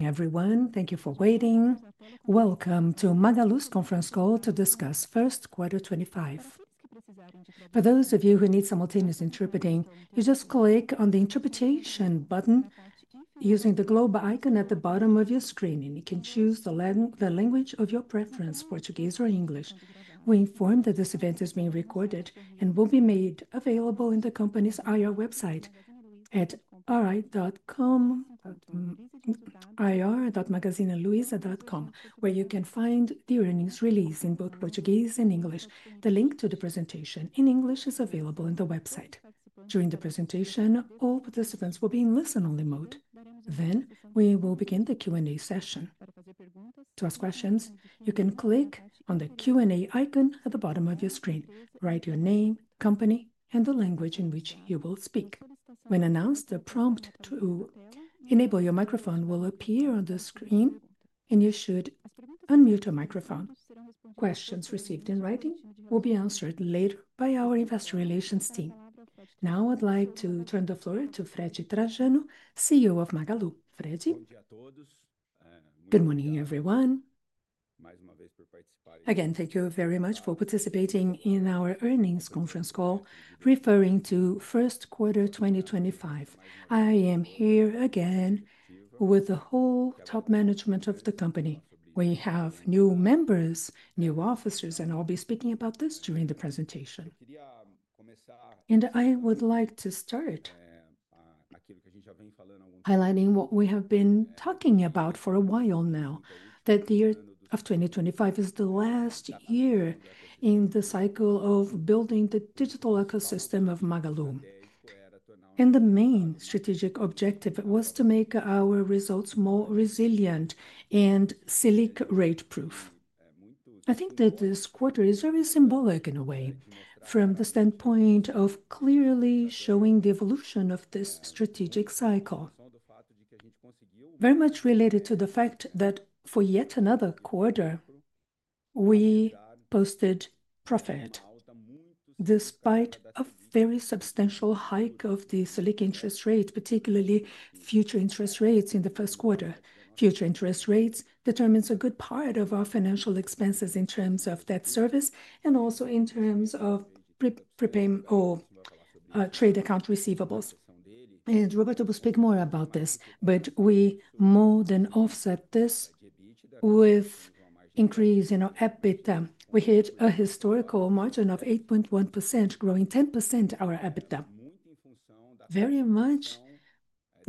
Everyone, thank you for waiting. Welcome to Magalu's Conference Call to discuss First Quarter 2025. For those of you who need simultaneous interpreting, you just click on the interpretation button using the globe icon at the bottom of your screen, and you can choose the language of your preference: Portuguese or English. We inform that this event is being recorded and will be made available on the company's IR website at ir.magazineluiza.com, where you can find the earnings release in both Portuguese and English. The link to the presentation in English is available on the website. During the presentation, all participants will be in listen-only mode. We will begin the Q&A session. To ask questions, you can click on the Q&A icon at the bottom of your screen, write your name, company, and the language in which you will speak. When announced, a prompt to enable your microphone will appear on the screen, and you should unmute your microphone. Questions received in writing will be answered later by our investor relations team. Now, I'd like to turn the floor to Freddy Trajano, CEO of Magalu. Freddy? Good morning, everyone. Again, thank you very much for participating in our earnings conference call referring to first quarter 2025. I am here again with the whole top management of the company. We have new members, new officers, and I'll be speaking about this during the presentation. I would like to start highlighting what we have been talking about for a while now, that the year of 2025 is the last year in the cycle of building the digital ecosystem of Magalu. The main strategic objective was to make our results more resilient and SELIC rate-proof. I think that this quarter is very symbolic in a way, from the standpoint of clearly showing the evolution of this strategic cycle, very much related to the fact that for yet another quarter, we posted profit despite a very substantial hike of the SELIC interest rate, particularly future interest rates in the first quarter. Future interest rates determine a good part of our financial expenses in terms of debt service and also in terms of trade account receivables. Roberto will speak more about this, but we more than offset this with increasing our EBITDA. We hit a historical margin of 8.1%, growing 10% of our EBITDA, very much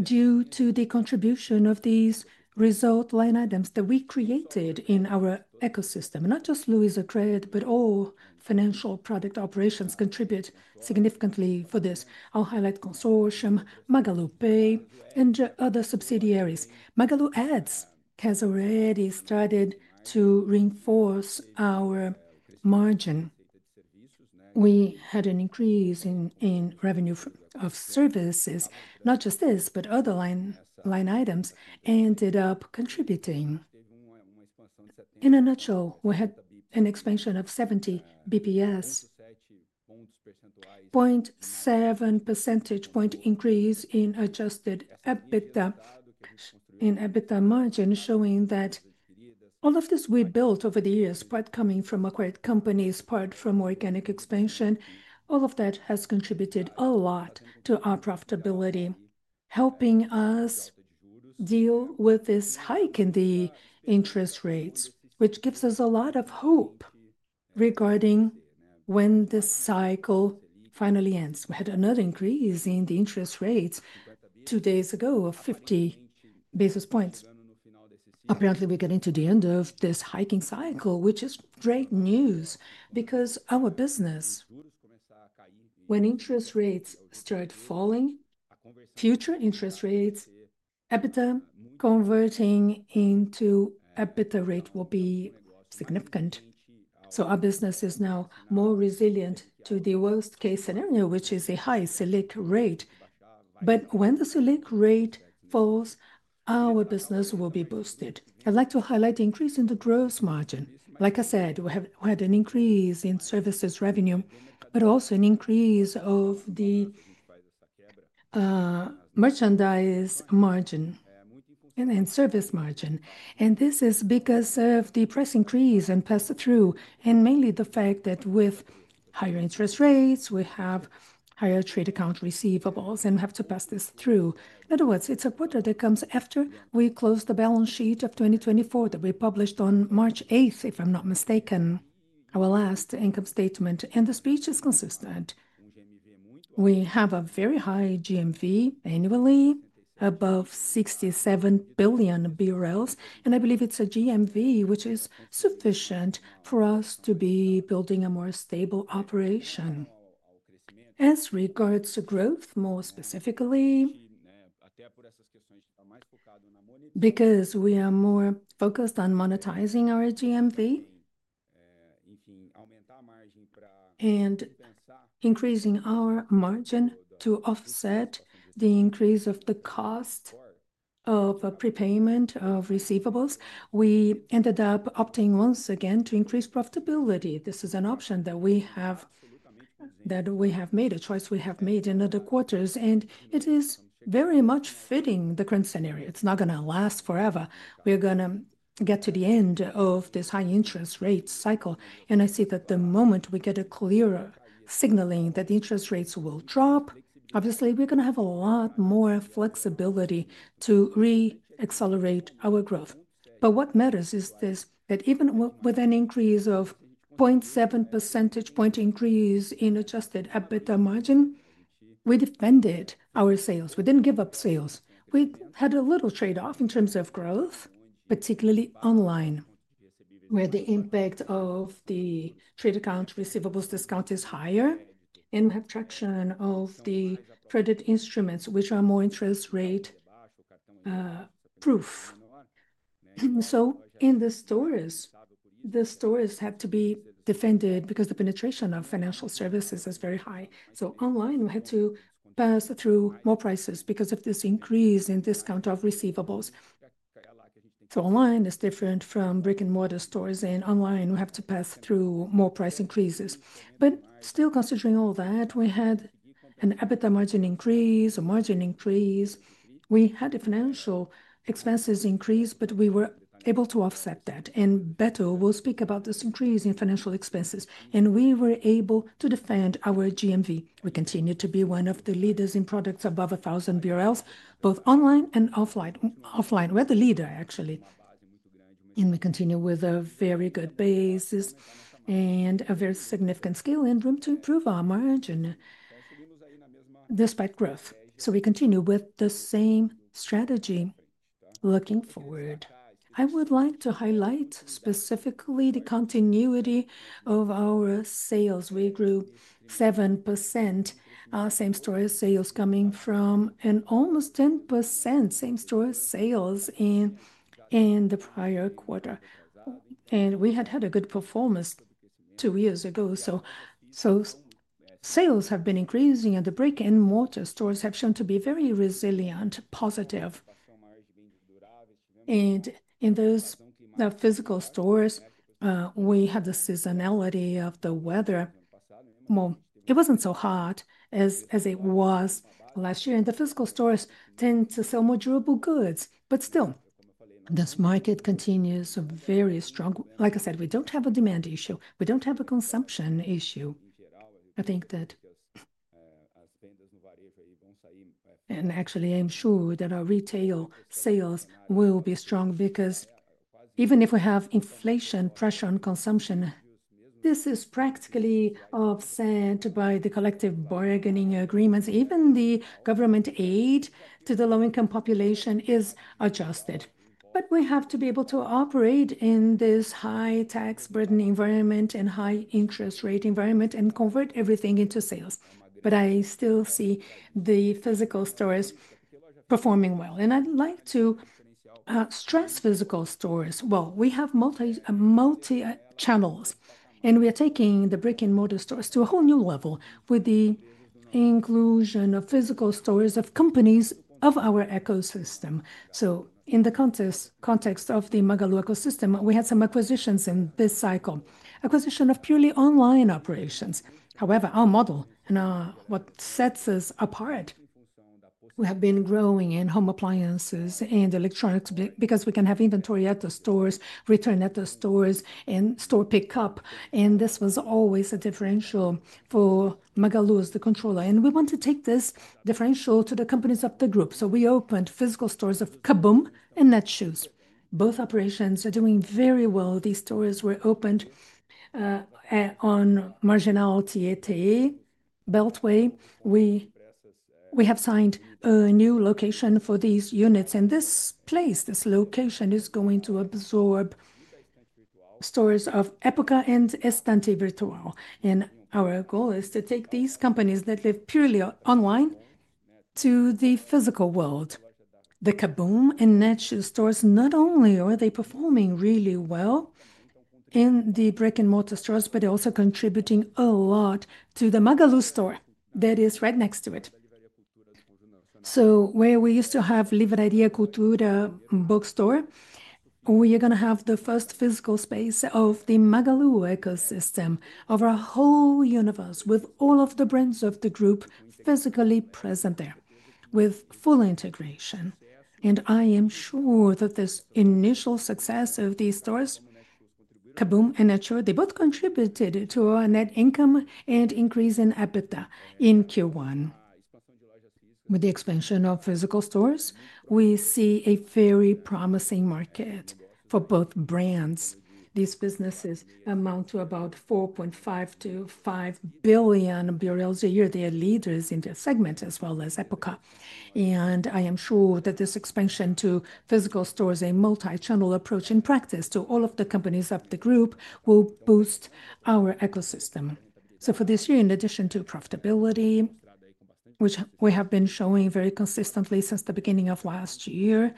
due to the contribution of these result line items that we created in our ecosystem. Not just Luizacred, but all financial product operations contribute significantly for this. I'll highlight consortium, MagaluPay, and other subsidiaries. MagaluAds has already started to reinforce our margin. We had an increase in revenue of services, not just this, but other line items ended up contributing. In a nutshell, we had an expansion of 70 basis points, a 0.7 percentage point increase in adjusted EBITDA margin, showing that all of this we built over the years, part coming from acquired companies, part from organic expansion, all of that has contributed a lot to our profitability, helping us deal with this hike in the interest rates, which gives us a lot of hope regarding when this cycle finally ends. We had another increase in the interest rates 2 days ago of 50 basis points. Apparently, we're getting to the end of this hiking cycle, which is great news because our business, when interest rates start falling, future interest rates, EBITDA converting into EBITDA rate will be significant. Our business is now more resilient to the worst-case scenario, which is a high SELIC rate. When the SELIC rate falls, our business will be boosted. I'd like to highlight the increase in the gross margin. Like I said, we had an increase in services revenue, but also an increase of the merchandise margin and then service margin. This is because of the price increase and pass-through, and mainly the fact that with higher interest rates, we have higher trade account receivables and have to pass this through. In other words, it's a quarter that comes after we close the balance sheet of 2024 that we published on March 8th, if I'm not mistaken, our last income statement. The speech is consistent. We have a very high GMV annually, above 67 billion, and I believe it's a GMV which is sufficient for us to be building a more stable operation. As regards to growth, more specifically, because we are more focused on monetizing our GMV and increasing our margin to offset the increase of the cost of prepayment of receivables, we ended up opting once again to increase profitability. This is an option that we have made, a choice we have made in other quarters, and it is very much fitting the current scenario. It's not going to last forever. We're going to get to the end of this high interest rate cycle. I see that the moment we get a clearer signaling that the interest rates will drop, obviously, we're going to have a lot more flexibility to re-accelerate our growth. What matters is this: that even with an increase of 0.7 percentage point increase in adjusted EBITDA margin, we defended our sales. We did not give up sales. We had a little trade-off in terms of growth, particularly online, where the impact of the trade account receivables discount is higher and have traction of the credit instruments, which are more interest rate-proof. In the stores, the stores have to be defended because the penetration of financial services is very high. Online, we had to pass through more prices because of this increase in discount of receivables. Online is different from brick-and-mortar stores, and online, we have to pass through more price increases. Still, considering all that, we had an EBITDA margin increase, a margin increase. We had the financial expenses increase, but we were able to offset that. Beto will speak about this increase in financial expenses. We were able to defend our GMV. We continue to be one of the leaders in products above 1,000 BRL both online and offline. Offline, we are the leader, actually. We continue with a very good basis and a very significant scale and room to improve our margin despite growth. We continue with the same strategy looking forward. I would like to highlight specifically the continuity of our sales. We grew 7%. Same-store sales coming from an almost 10% same-store sales in the prior quarter. We had had a good performance two years ago. Sales have been increasing at the brick-and-mortar stores, have shown to be very resilient, positive. In those physical stores, we had the seasonality of the weather. It was not so hot as it was last year. The physical stores tend to sell more durable goods. Still, this market continues very strong. Like I said, we do not have a demand issue. We do not have a consumption issue. I think that, and actually, I am sure that our retail sales will be strong because even if we have inflation pressure on consumption, this is practically offset by the collective bargaining agreements. Even the government aid to the low-income population is adjusted. We have to be able to operate in this high-tax burden environment and high-interest rate environment and convert everything into sales. I still see the physical stores performing well. I would like to stress physical stores. We have multi-channels, and we are taking the brick-and-mortar stores to a whole new level with the inclusion of physical stores of companies of our ecosystem. In the context of the Magalu ecosystem, we had some acquisitions in this cycle, acquisition of purely online operations. However, our model and what sets us apart, we have been growing in home appliances and electronics because we can have inventory at the stores, return at the stores, and store pickup. This was always a differential for Magalu, the controller. We want to take this differential to the companies of the group. We opened physical stores of KaBuM! and Netshoes. Both operations are doing very well. These stores were opened on Marginal Tietê Beltway. We have signed a new location for these units. This place, this location is going to absorb stores of Época and Estante Virtual. Our goal is to take these companies that live purely online to the physical world. The KaBuM! and Netshoes stores not only are they performing really well in the brick-and-mortar stores, but they're also contributing a lot to the Magalu store that is right next to it. Where we used to have Livraria Cultura bookstore, we are going to have the first physical space of the Magalu ecosystem of our whole universe, with all of the brands of the group physically present there, with full integration. I am sure that this initial success of these stores, KaBuM! and Netshoes, they both contributed to our net income and increase in EBITDA in Q1. With the expansion of physical stores, we see a very promising market for both brands. These businesses amount to about BRL 4.5 billion-BRL 5 billion a year. They are leaders in their segment as well as Época. I am sure that this expansion to physical stores and multi-channel approach in practice to all of the companies of the group will boost our ecosystem. For this year, in addition to profitability, which we have been showing very consistently since the beginning of last year,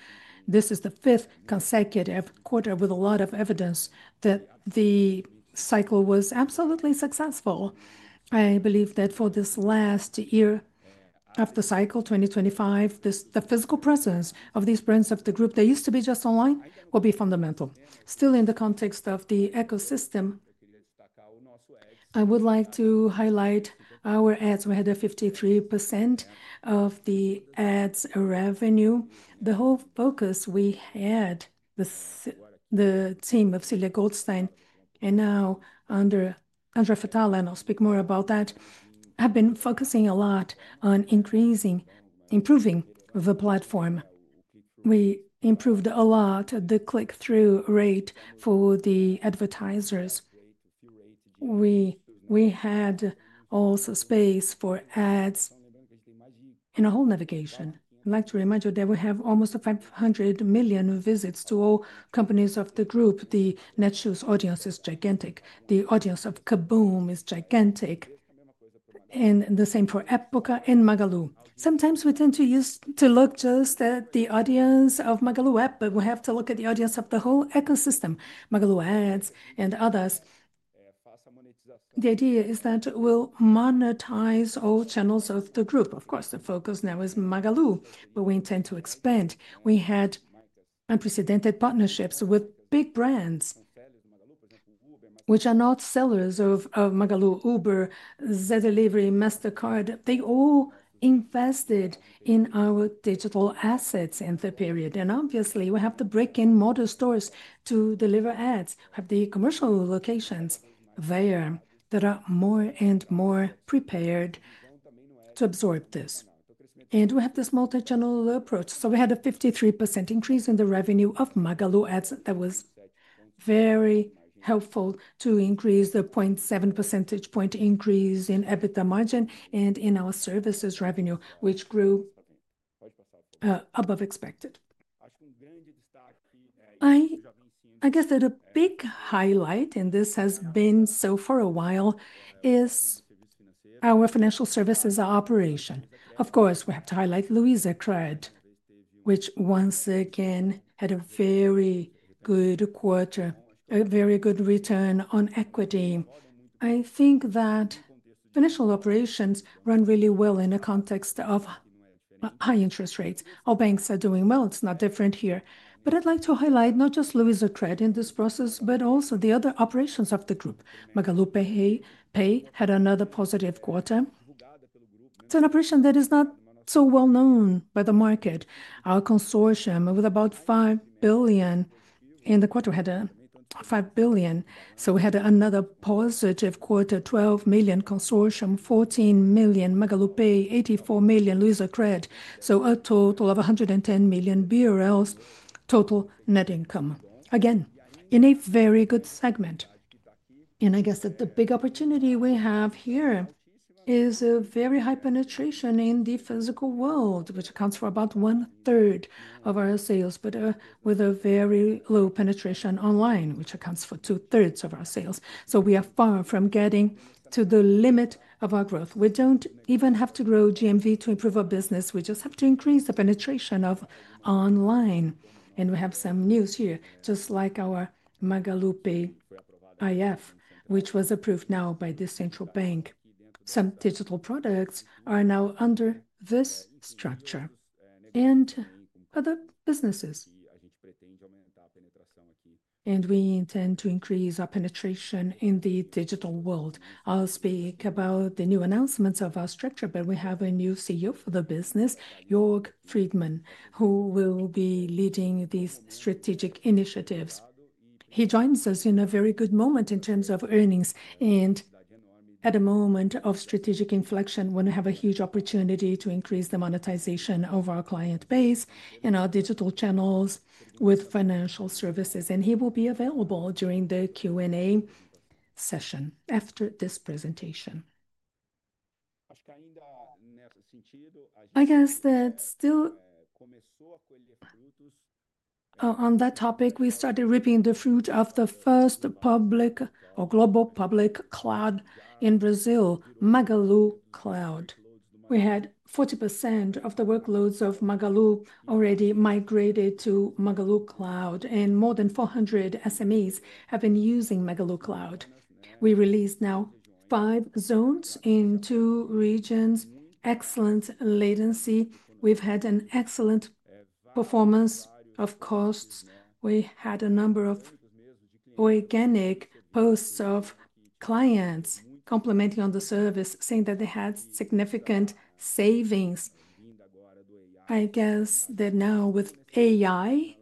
this is the fifth consecutive quarter with a lot of evidence that the cycle was absolutely successful. I believe that for this last year of the cycle, 2025, the physical presence of these brands of the group that used to be just online will be fundamental. Still, in the context of the ecosystem, I would like to highlight our ads. We had a 53% of the ads revenue. The whole focus we had, the team of Célia Goldstein, and now André Fatala, and I'll speak more about that, have been focusing a lot on increasing, improving the platform. We improved a lot the click-through rate for the advertisers. We had also space for ads in a whole navigation. I'd like to remind you that we have almost 500 million visits to all companies of the group. The Netshoes audience is gigantic. The audience of KaBuM! is gigantic. And the same for Época and Magalu. Sometimes we tend to look just at the audience of Magalu App, but we have to look at the audience of the whole ecosystem, MagaluAds and others. The idea is that we'll monetize all channels of the group. Of course, the focus now is Magalu, but we intend to expand. We had unprecedented partnerships with big brands, which are not sellers of Magalu, Uber, Zé Delivery, Mastercard. They all invested in our digital assets in the period. Obviously, we have the brick-and-mortar stores to deliver ads, have the commercial locations there that are more and more prepared to absorb this. We have this multi-channel approach. We had a 53% increase in the revenue of MagaluAds. That was very helpful to increase the 0.7 percentage point increase in EBITDA margin and in our services revenue, which grew above expected. I guess that a big highlight, and this has been so for a while, is our financial services operation. Of course, we have to highlight Luizacred, which once again had a very good quarter, a very good return on equity. I think that financial operations run really well in the context of high interest rates. Our banks are doing well. It is not different here. I would like to highlight not just Luizacred in this process, but also the other operations of the group. MagaluPay had another positive quarter. It's an operation that is not so well known by the market. Our consortium with about 5 billion in the quarter had a 5 billion. We had another positive quarter, 12 million consortium, 14 million MagaluPay, 84 million Luizacred. A total of 110 million BRL total net income. Again, in a very good segment. I guess that the big opportunity we have here is a very high penetration in the physical world, which accounts for about one-third of our sales, with a very low penetration online, which accounts for 2/3 of our sales. We are far from getting to the limit of our growth. We do not even have to grow GMV to improve our business. We just have to increase the penetration of online. We have some news here, just like our MagaluPay IF, which was approved now by the central bank. Some digital products are now under this structure. Other businesses. We intend to increase our penetration in the digital world. I'll speak about the new announcements of our structure, but we have a new CEO for the business, Jörg Friedman, who will be leading these strategic initiatives. He joins us in a very good moment in terms of earnings. At a moment of strategic inflection, we're going to have a huge opportunity to increase the monetization of our client base and our digital channels with financial services. He will be available during the Q&A session after this presentation. I guess that still on that topic, we started reaping the fruit of the first public or global public cloud in Brazil, Magalu Cloud. We had 40% of the workloads of Magalu Cloud already migrated to Magalu Cloud, and more than 400 SMEs have been using Magalu Cloud. We released now five zones in two regions, excellent latency. We've had an excellent performance of costs. We had a number of organic posts of clients complimenting on the service, saying that they had significant savings. I guess that now with AI,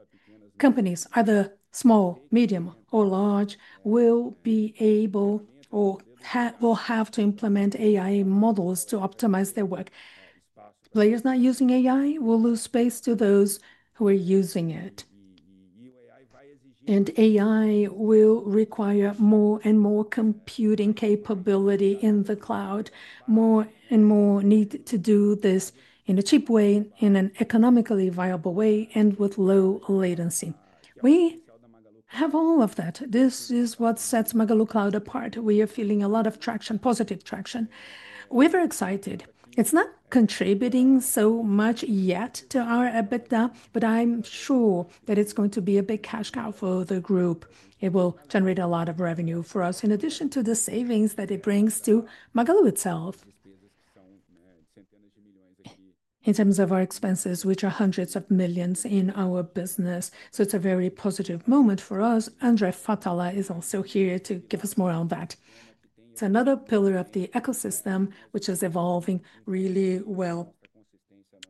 companies, either small, medium, or large, will be able or will have to implement AI models to optimize their work. Players not using AI will lose space to those who are using it. AI will require more and more computing capability in the cloud, more and more need to do this in a cheap way, in an economically viable way, and with low latency. We have all of that. This is what sets Magalu Cloud apart. We are feeling a lot of traction, positive traction. We're very excited. It's not contributing so much yet to our EBITDA, but I'm sure that it's going to be a big cash cow for the group. It will generate a lot of revenue for us, in addition to the savings that it brings to Magalu itself. In terms of our expenses, which are hundreds of millions in our business. It is a very positive moment for us. André Fatala is also here to give us more on that. It's another pillar of the ecosystem, which is evolving really well.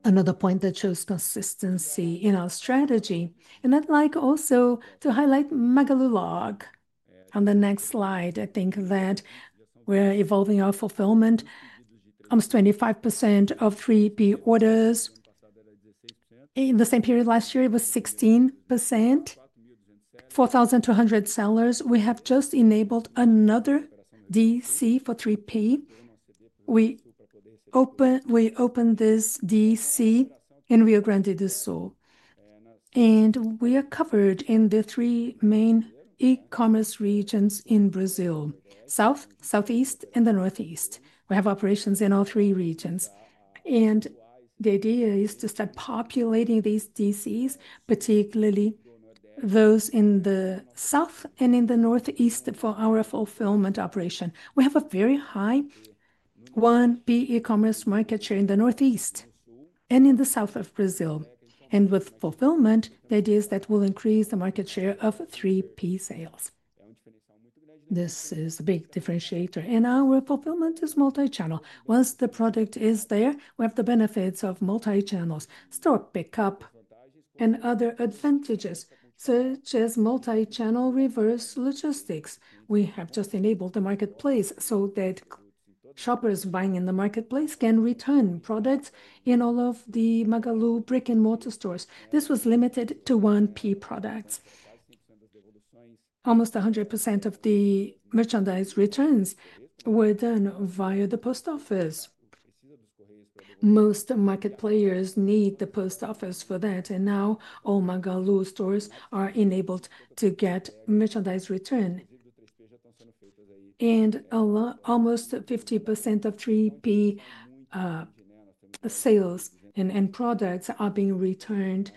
Another point that shows consistency in our strategy. I would also like to highlight Magalog. On the next slide, I think that we're evolving our fulfillment. Almost 25% of 3P orders. In the same period last year, it was 16%, 4,200 sellers. We have just enabled another DC for 3P. We opened this DC in Rio Grande do Sul. We are covered in the three main e-commerce regions in Brazil, South, Southeast, and the Northeast. We have operations in all three regions. The idea is to start populating these DCs, particularly those in the South and in the Northeast for our fulfillment operation. We have a very high 1P e-commerce market share in the Northeast and in the South of Brazil. With fulfillment, the idea is that we'll increase the market share of 3P sales. This is a big differentiator. Our fulfillment is multi-channel. Once the product is there, we have the benefits of multi-channels, store pickup, and other advantages, such as multi-channel reverse logistics. We have just enabled the marketplace so that shoppers buying in the marketplace can return products in all of the Magalu brick-and-mortar stores. This was limited to 1P products. Almost 100% of the merchandise returns were done via the post office. Most market players need the post office for that. Now all Magalu stores are enabled to get merchandise return. Almost 50% of 3P sales and products are being returned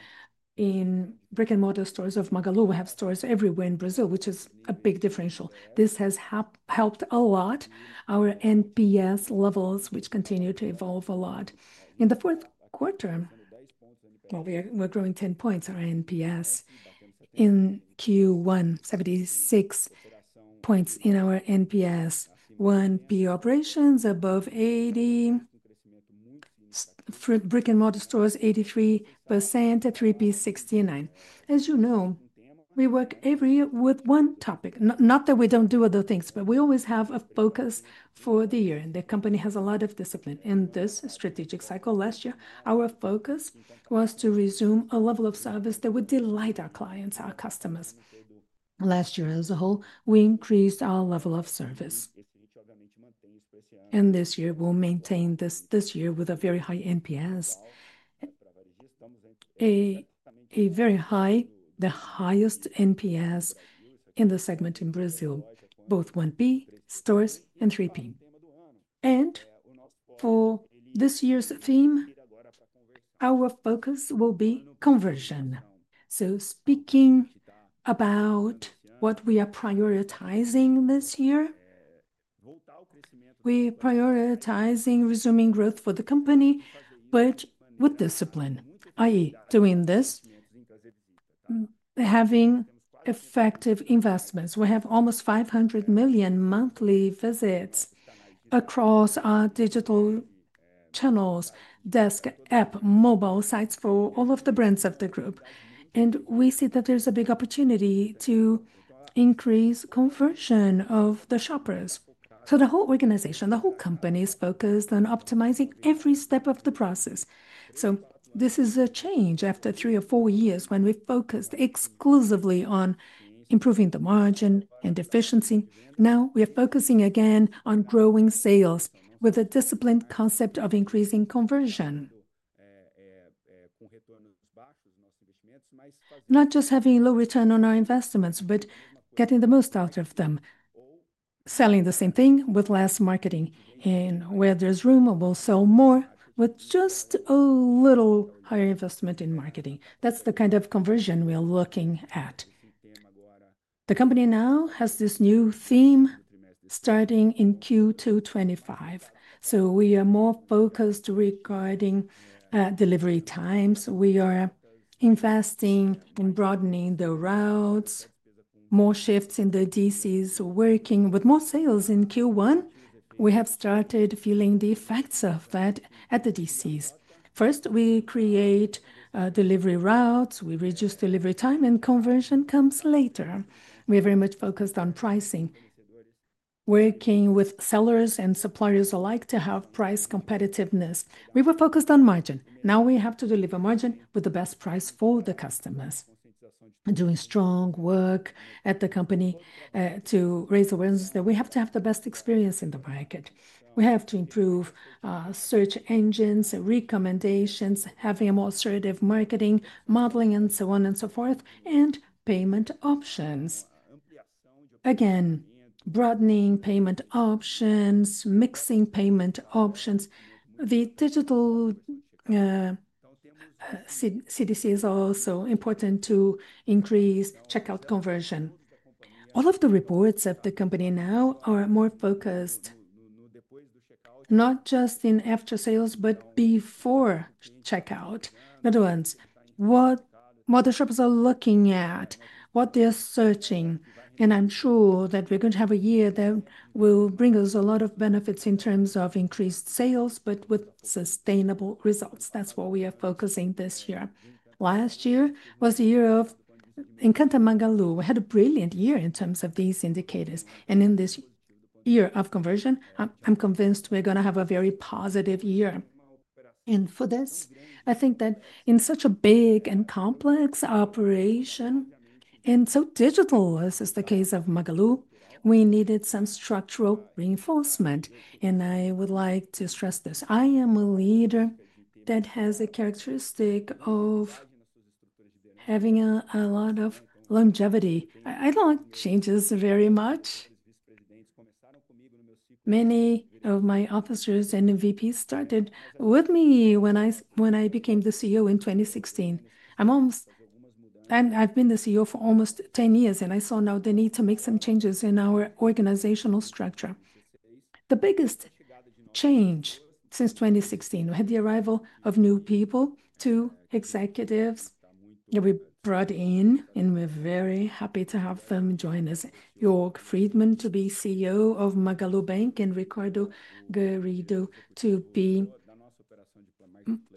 in brick-and-mortar stores of Magalu. We have stores everywhere in Brazil, which is a big differential. This has helped a lot our NPS levels, which continue to evolve a lot. In the fourth quarter, we are growing 10 points in our NPS. In Q1, 76 points in our NPS. 1P operations above 80. Brick-and-mortar stores, 83%, 3P 69. As you know, we work every year with one topic. Not that we do not do other things, but we always have a focus for the year. The company has a lot of discipline. In this strategic cycle last year, our focus was to resume a level of service that would delight our clients, our customers. Last year, as a whole, we increased our level of service. This year, we'll maintain this year with a very high NPS. A very high, the highest NPS in the segment in Brazil, both 1P stores and 3P. For this year's theme, our focus will be conversion. Speaking about what we are prioritizing this year, we are prioritizing resuming growth for the company, but with discipline, i.e., doing this, having effective investments. We have almost 500 million monthly visits across our digital channels, desk, app, mobile sites for all of the brands of the group. We see that there's a big opportunity to increase conversion of the shoppers. The whole organization, the whole company is focused on optimizing every step of the process. This is a change after three or four years when we focused exclusively on improving the margin and efficiency. Now we are focusing again on growing sales with a disciplined concept of increasing conversion. Not just having low return on our investments, but getting the most out of them, selling the same thing with less marketing, and where there's room, we'll sell more with just a little higher investment in marketing. That's the kind of conversion we're looking at. The company now has this new theme starting in Q2 2025. We are more focused regarding delivery times. We are investing in broadening the routes, more shifts in the DCs, working with more sales in Q1. We have started feeling the effects of that at the DCs. First, we create delivery routes. We reduce delivery time, and conversion comes later. We are very much focused on pricing, working with sellers and suppliers alike to have price competitiveness. We were focused on margin. Now we have to deliver margin with the best price for the customers. Doing strong work at the company to raise awareness that we have to have the best experience in the market. We have to improve search engines and recommendations, having a more assertive marketing, modeling, and so on and so forth, and payment options. Again, broadening payment options, mixing payment options. The Digital CDC is also important to increase checkout conversion. All of the reports of the company now are more focused, not just in after sales, but before checkout. In other words, what modern shoppers are looking at, what they're searching. I'm sure that we're going to have a year that will bring us a lot of benefits in terms of increased sales, but with sustainable results. That's what we are focusing this year. Last year was the year of Encanta Magalu. We had a brilliant year in terms of these indicators. In this year of conversion, I'm convinced we're going to have a very positive year. For this, I think that in such a big and complex operation, and so digital, as is the case of Magalu, we needed some structural reinforcement. I would like to stress this. I am a leader that has a characteristic of having a lot of longevity. I don't like changes very much. Many of my officers and VPs started with me when I became the CEO in 2016. I've been the CEO for almost 10 years, and I saw now the need to make some changes in our organizational structure. The biggest change since 2016, we had the arrival of new people, two executives that we brought in, and we're very happy to have them join us, Jörg Friedman to be CEO of MagaluBank, and Ricardo Garrido to be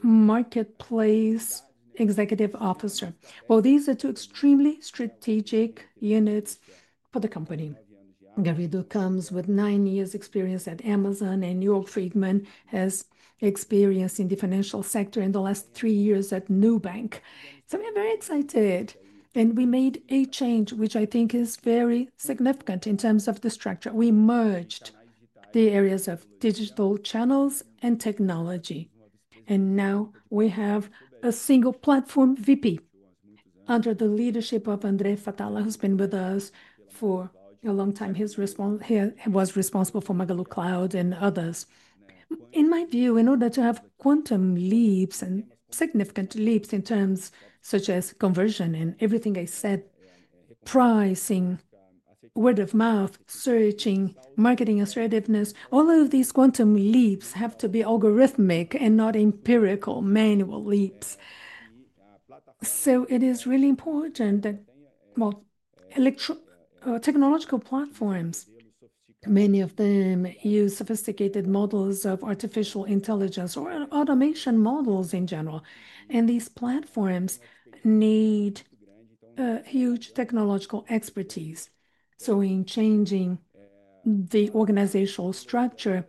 Marketplace Executive Officer. These are two extremely strategic units for the company. Garrido comes with 9 years' experience at Amazon, and Jörg Friedman has experience in the financial sector in the last 3 years at Nubank. We are very excited. We made a change, which I think is very significant in terms of the structure. We merged the areas of digital channels and technology. Now we have a single platform VP under the leadership of André Fatala, who's been with us for a long time. He was responsible for Magalu Cloud and others. In my view, in order to have quantum leaps and significant leaps in terms such as conversion and everything I said, pricing, word of mouth, searching, marketing assertiveness, all of these quantum leaps have to be algorithmic and not empirical manual leaps. It is really important that technological platforms, many of them use sophisticated models of artificial intelligence or automation models in general. These platforms need huge technological expertise. In changing the organizational structure,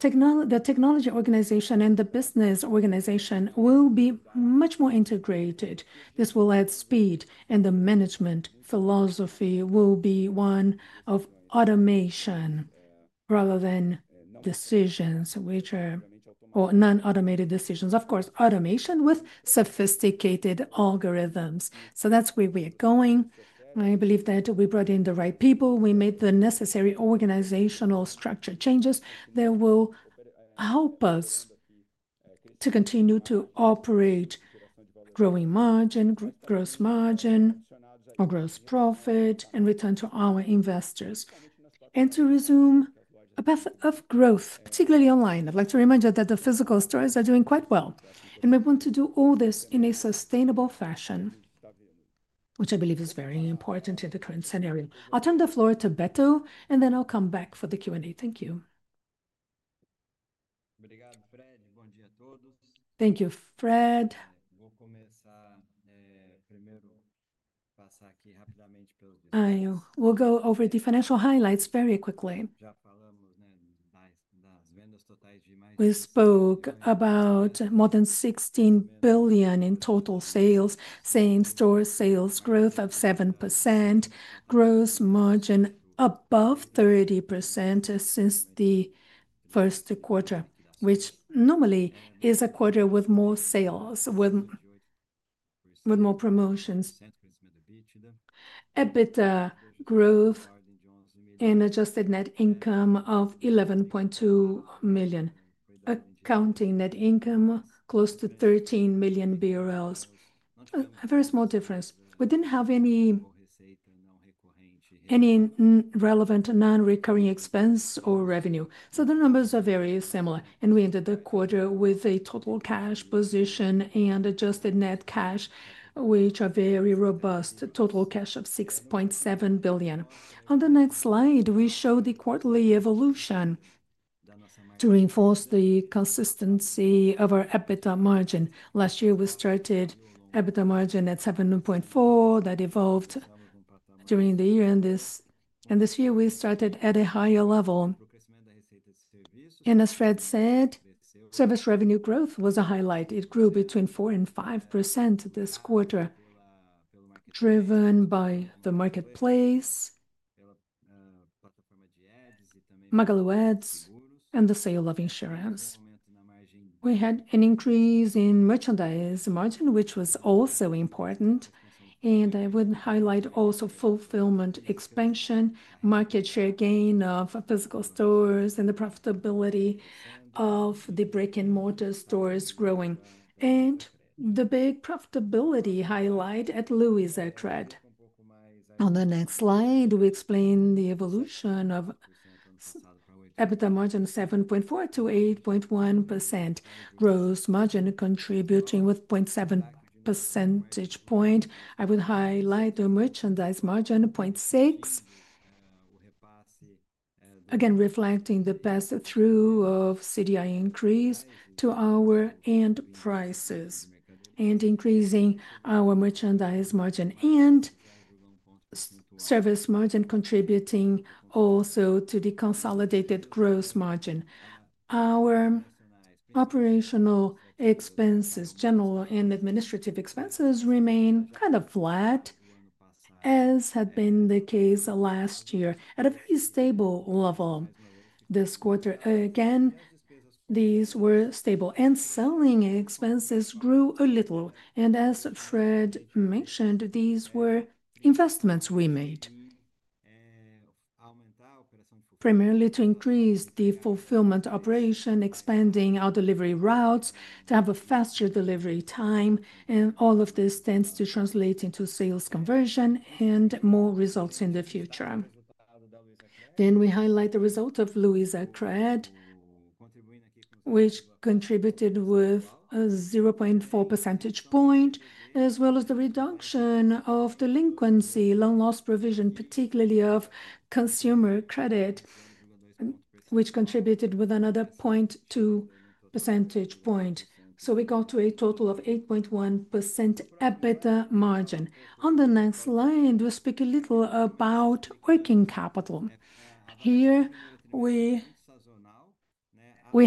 the technology organization and the business organization will be much more integrated. This will add speed, and the management philosophy will be one of automation rather than decisions, which are non-automated decisions. Of course, automation with sophisticated algorithms. That is where we are going. I believe that we brought in the right people. We made the necessary organizational structure changes that will help us to continue to operate, growing margin, gross margin, or gross profit, and return to our investors. To resume a path of growth, particularly online, I would like to remind you that the physical stores are doing quite well. We want to do all this in a sustainable fashion, which I believe is very important in the current scenario. I will turn the floor to Beto, and then I will come back for the Q&A. Thank you. Thank you, Fred. We will go over the financial highlights very quickly. We spoke about more than 16 billion in total sales, same store sales growth of 7%, gross margin above 30% since the first quarter, which normally is a quarter with more sales, with more promotions. EBITDA growth and adjusted net income of 11.2 million. Accounting net income, close to 13 million BRL. A very small difference. We did not have any relevant non-recurring expense or revenue. The numbers are very similar. We ended the quarter with a total cash position and adjusted net cash, which are very robust. Total cash of 6.7 billion. On the next slide, we show the quarterly evolution to reinforce the consistency of our EBITDA margin. Last year, we started EBITDA margin at 7.4% that evolved during the year. This year, we started at a higher level. As Fred said, service revenue growth was a highlight. It grew between 4% and 5% this quarter, driven by the marketplace, MagaluAds, and the sale of insurance. We had an increase in merchandise margin, which was also important. I would highlight also fulfillment expansion, market share gain of physical stores, and the profitability of the brick-and-mortar stores growing. The big profitability highlight at Luizacred. On the next slide, we explain the evolution of EBITDA margin, 7.4% to 8.1%. Gross margin contributing with a 0.7 percentage points. I would highlight the merchandise margin, 0.6%, again reflecting the pass-through of CDI increase to our end prices and increasing our merchandise margin and service margin, contributing also to the consolidated gross margin. Our operational expenses, general and administrative expenses, remain kind of flat, as had been the case last year, at a very stable level this quarter. These were stable. Selling expenses grew a little. As Fred mentioned, these were investments we made, primarily to increase the fulfillment operation, expanding our delivery routes to have a faster delivery time. All of this tends to translate into sales conversion and more results in the future. We highlight the result of Luiza Trad, which contributed with a 0.4 percentage points, as well as the reduction of delinquency, loan loss provision, particularly of consumer credit, which contributed with another 0.2 percentage points. We got to a total of 8.1% EBITDA margin. On the next slide, we speak a little about working capital. Here we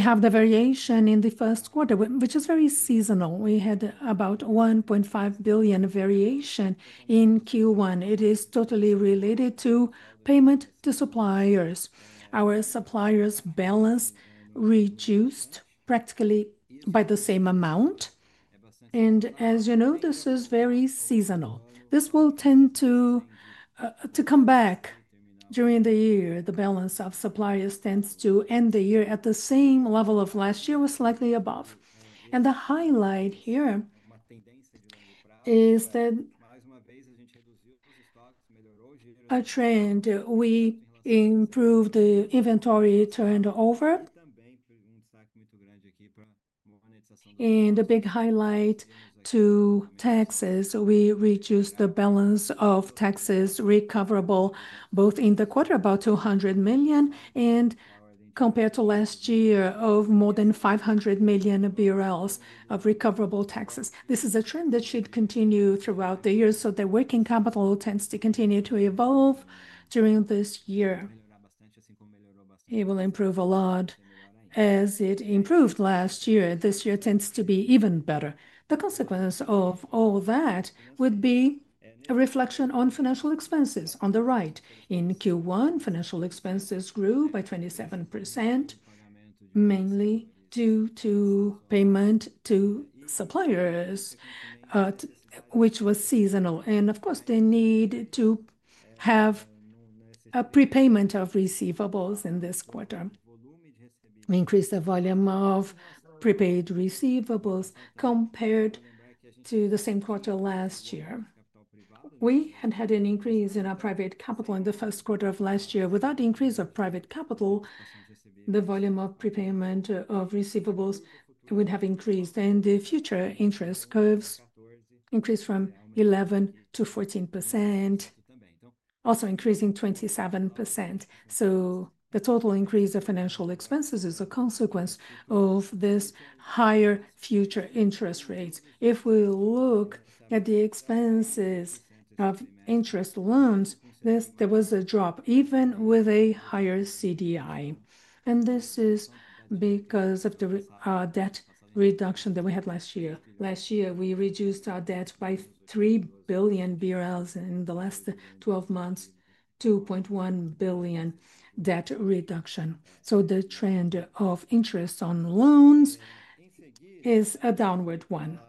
have the variation in the first quarter, which is very seasonal. We had about 1.5 billion variation in Q1. It is totally related to payment to suppliers. Our suppliers' balance reduced practically by the same amount. As you know, this is very seasonal. This will tend to come back during the year. The balance of suppliers tends to end the year at the same level of last year, slightly above. The highlight here is that a trend. We improved the inventory turnover and a big highlight to taxes. We reduced the balance of taxes recoverable both in the quarter, about 200 million, and compared to last year of more than 500 million BRL of recoverable taxes. This is a trend that should continue throughout the year. The working capital tends to continue to evolve during this year. It will improve a lot as it improved last year. This year tends to be even better. The consequence of all that would be a reflection on financial expenses on the right. In Q1, financial expenses grew by 27%, mainly due to payment to suppliers, which was seasonal. Of course, they need to have a prepayment of receivables in this quarter. We increased the volume of prepaid receivables compared to the same quarter last year. We had had an increase in our private capital in the first quarter of last year. Without the increase of private capital, the volume of prepayment of receivables would have increased. The future interest curves increased from 11% to 14%, also increasing 27%. The total increase of financial expenses is a consequence of this higher future interest rate. If we look at the expenses of interest loans, there was a drop even with a higher CDI. This is because of the debt reduction that we had last year. Last year, we reduced our debt by 3 billion BRL in the last 12 months, 2.1 billion debt reduction. The trend of interest on loans is a downward one.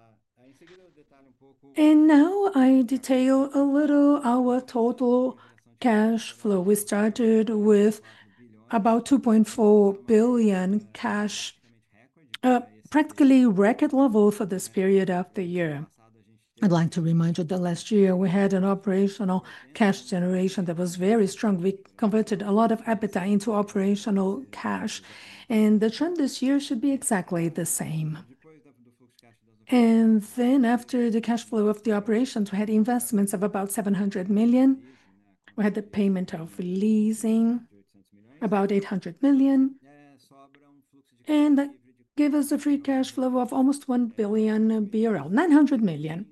Now I detail a little our total cash flow. We started with about 2.4 billion cash, practically record level for this period of the year. I'd like to remind you that last year we had an operational cash generation that was very strong. We converted a lot of EBITDA into operational cash. The trend this year should be exactly the same. After the cash flow of the operations, we had investments of about 700 million. We had the payment of leasing, about 800 million, and gave us a free cash flow of almost 1 billion BRL, 900 million.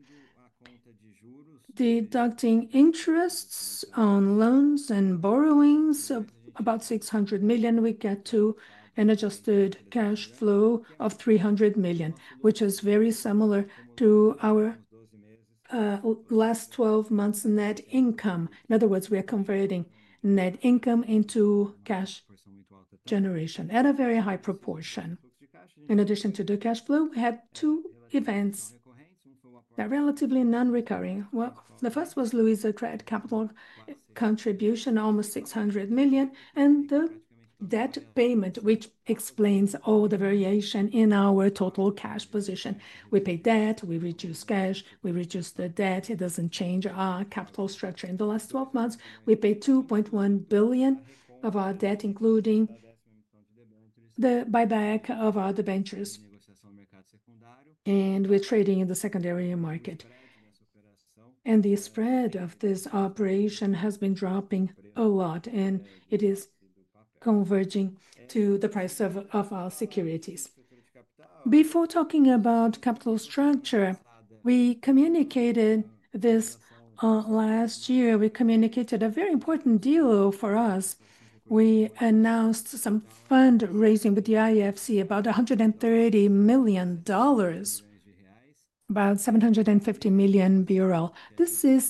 Deducting interests on loans and borrowings, about 600 million, we get to an adjusted cash flow of 300 million, which is very similar to our last 12 months' net income. In other words, we are converting net income into cash generation at a very high proportion. In addition to the cash flow, we had two events that are relatively non-recurring. The first was Luiza Trade Capital contribution, almost 600 million, and the debt payment, which explains all the variation in our total cash position. We pay debt, we reduce cash, we reduce the debt. It does not change our capital structure. In the last 12 months, we paid 2.1 billion of our debt, including the buyback of our debentures. We are trading in the secondary market. The spread of this operation has been dropping a lot, and it is converging to the price of our securities. Before talking about capital structure, we communicated this last year. We communicated a very important deal for us. We announced some fundraising with the IFC, about $130 million, about BRL 750 million. This is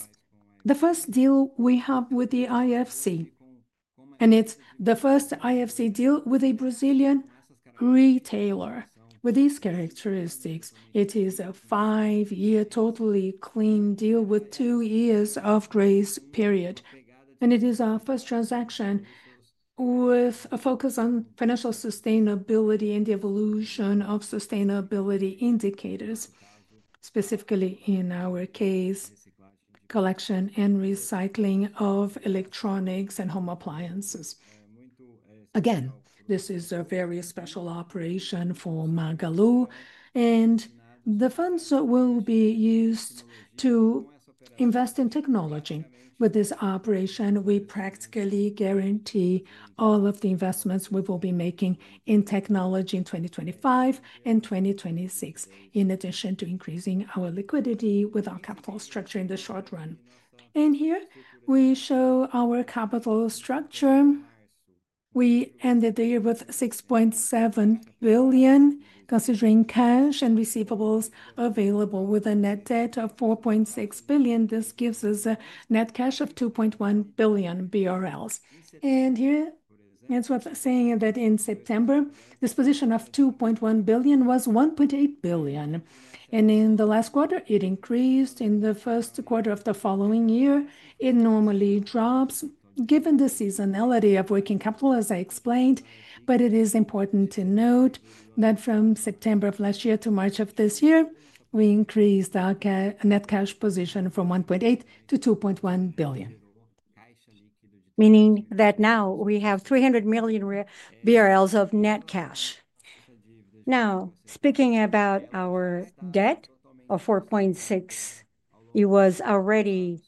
the first deal we have with the IFC, and it is the first IFC deal with a Brazilian retailer with these characteristics. It is a five-year totally clean deal with two years of grace period. It is our first transaction with a focus on financial sustainability and the evolution of sustainability indicators, specifically in our case, collection and recycling of electronics and home appliances. Again, this is a very special operation for Magalu, and the funds will be used to invest in technology. With this operation, we practically guarantee all of the investments we will be making in technology in 2025 and 2026, in addition to increasing our liquidity with our capital structure in the short run. Here we show our capital structure. We ended the year with 6.7 billion, considering cash and receivables available, with a net debt of 4.6 billion. This gives us a net cash of 2.1 billion BRL. Here, as I was saying, in September, this position of 2.1 billion was 1.8 billion. In the last quarter, it increased. In the first quarter of the following year, it normally drops given the seasonality of working capital, as I explained. It is important to note that from September of last year to March of this year, we increased our net cash position from 1.8 billion to 2.1 billion, meaning that now we have 300 million BRL of net cash. Now, speaking about our debt of 4.6 billion, it was already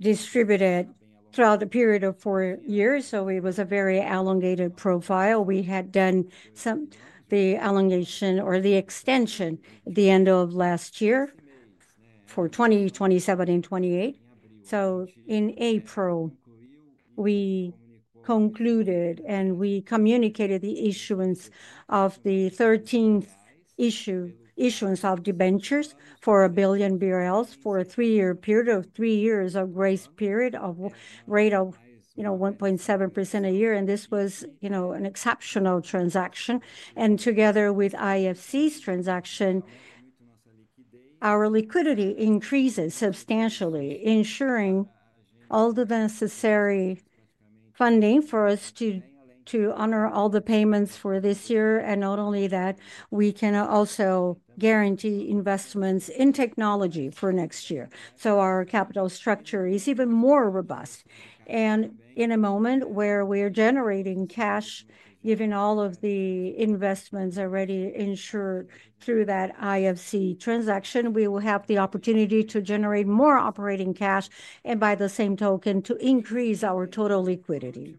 distributed throughout the period of four years. It was a very elongated profile. We had done some of the elongation or the extension at the end of last year for 2027 and 2028. In April, we concluded and we communicated the issuance of the 13th issuance of debentures for 1 billion BRL for a period of 3 years, with 3 years of grace period, at a rate of, you know, 1.7% a year. This was, you know, an exceptional transaction. Together with IFC's transaction, our liquidity increases substantially, ensuring all the necessary funding for us to honor all the payments for this year. Not only that, we can also guarantee investments in technology for next year. Our capital structure is even more robust. In a moment where we are generating cash, given all of the investments already ensured through that IFC transaction, we will have the opportunity to generate more operating cash and by the same token to increase our total liquidity.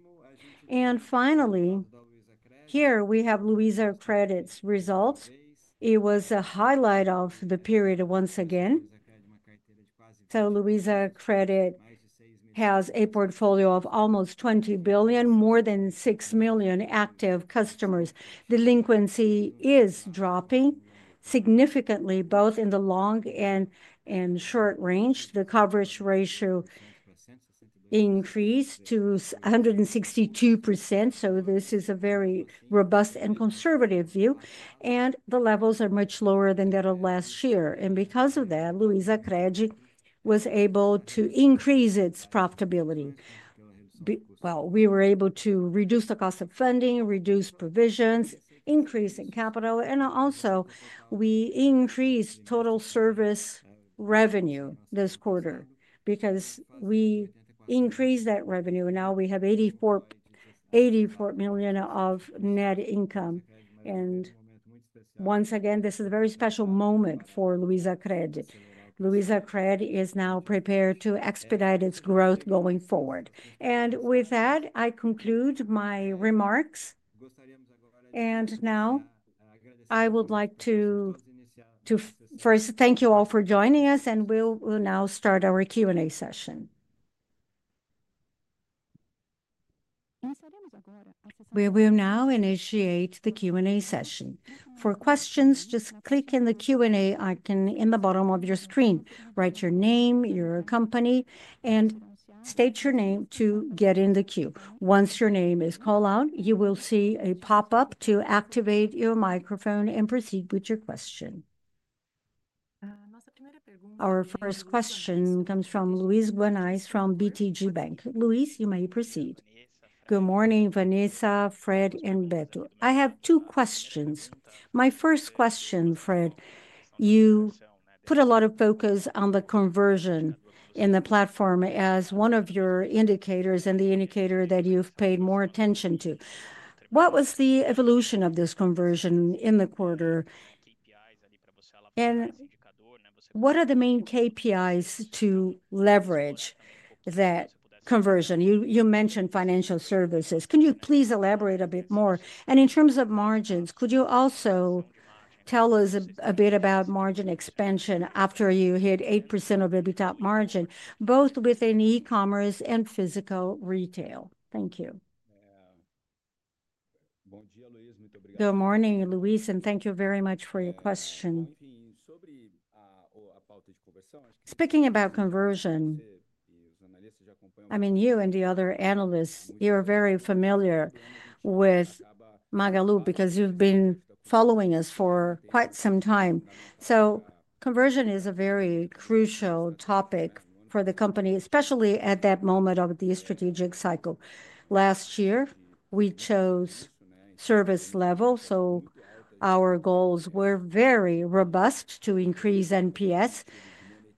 Finally, here we have Luizacredit's results. It was a highlight of the period once again. Luizacredit has a portfolio of almost 20 billion, more than 6 million active customers. Delinquency is dropping significantly, both in the long and short range. The coverage ratio increased to 162%. This is a very robust and conservative view. The levels are much lower than that of last year. Because of that, Luizacred was able to increase its profitability. We were able to reduce the cost of funding, reduce provisions, increase in capital. Also, we increased total service revenue this quarter because we increased that revenue. Now we have 84 million of net income. Once again, this is a very special moment for Luizacred. Luizacred is now prepared to expedite its growth going forward. With that, I conclude my remarks. I would like to first thank you all for joining us, and we'll now start our Q&A session. We will now initiate the Q&A session. For questions, just click in the Q&A icon in the bottom of your screen, write your name, your company, and state your name to get in the queue. Once your name is called out, you will see a pop-up to activate your microphone and proceed with your question. Our first question comes from Luiz Guanais from BTG Bank. Luis, you may proceed. Good morning, Vanessa, Fred, and Beto. I have two questions. My first question, Fred, you put a lot of focus on the conversion in the platform as one of your indicators and the indicator that you've paid more attention to. What was the evolution of this conversion in the quarter? What are the main KPIs to leverage that conversion? You mentioned financial services. Can you please elaborate a bit more? In terms of margins, could you also tell us a bit about margin expansion after you hit 8% of EBITDA margin, both within e-commerce and physical retail? Thank you. Good morning, Luis, and thank you very much for your question. Speaking about conversion, I mean, you and the other analysts, you're very familiar with Magalu because you've been following us for quite some time. Conversion is a very crucial topic for the company, especially at that moment of the strategic cycle. Last year, we chose service level, so our goals were very robust to increase NPS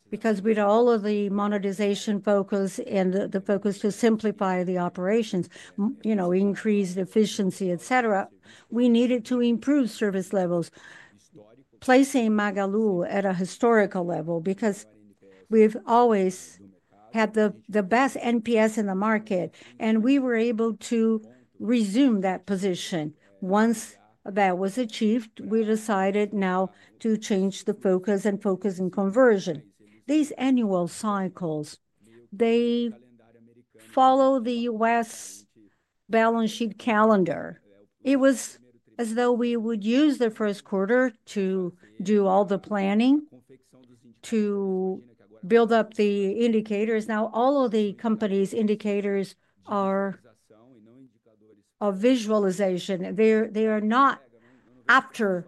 because with all of the monetization focus and the focus to simplify the operations, you know, increase efficiency, etc., we needed to improve service levels, placing Magalu at a historical level because we've always had the best NPS in the market, and we were able to resume that position. Once that was achieved, we decided now to change the focus and focus on conversion. These annual cycles, they follow the West Balance Sheet calendar. It was as though we would use the first quarter to do all the planning, to build up the indicators. Now, all of the company's indicators are of visualization. They are not after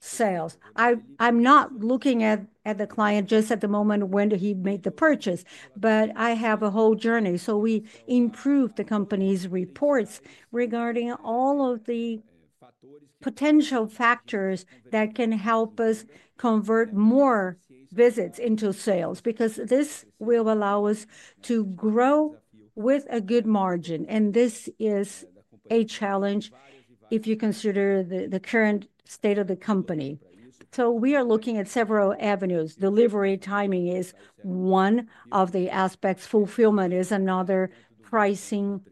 sales. I'm not looking at the client just at the moment when he made the purchase, but I have a whole journey. So we improve the company's reports regarding all of the potential factors that can help us convert more visits into sales because this will allow us to grow with a good margin. This is a challenge if you consider the current state of the company. We are looking at several avenues. Delivery timing is one of the aspects. Fulfillment is another. Pricing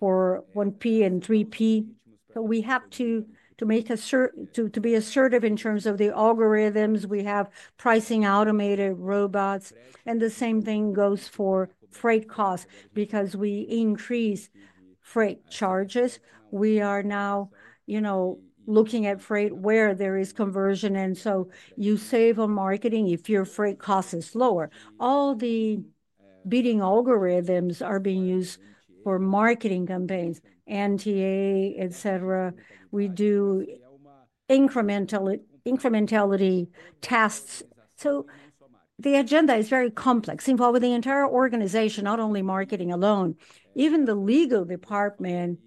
for 1P and 3P. We have to make certain to be assertive in terms of the algorithms. We have pricing automated robots. The same thing goes for freight costs because we increase freight charges. We are now, you know, looking at freight where there is conversion. You save on marketing if your freight cost is lower. All the bidding algorithms are being used for marketing campaigns, NTA, etc. We do incrementality tasks. The agenda is very complex, involving the entire organization, not only marketing alone. Even the legal department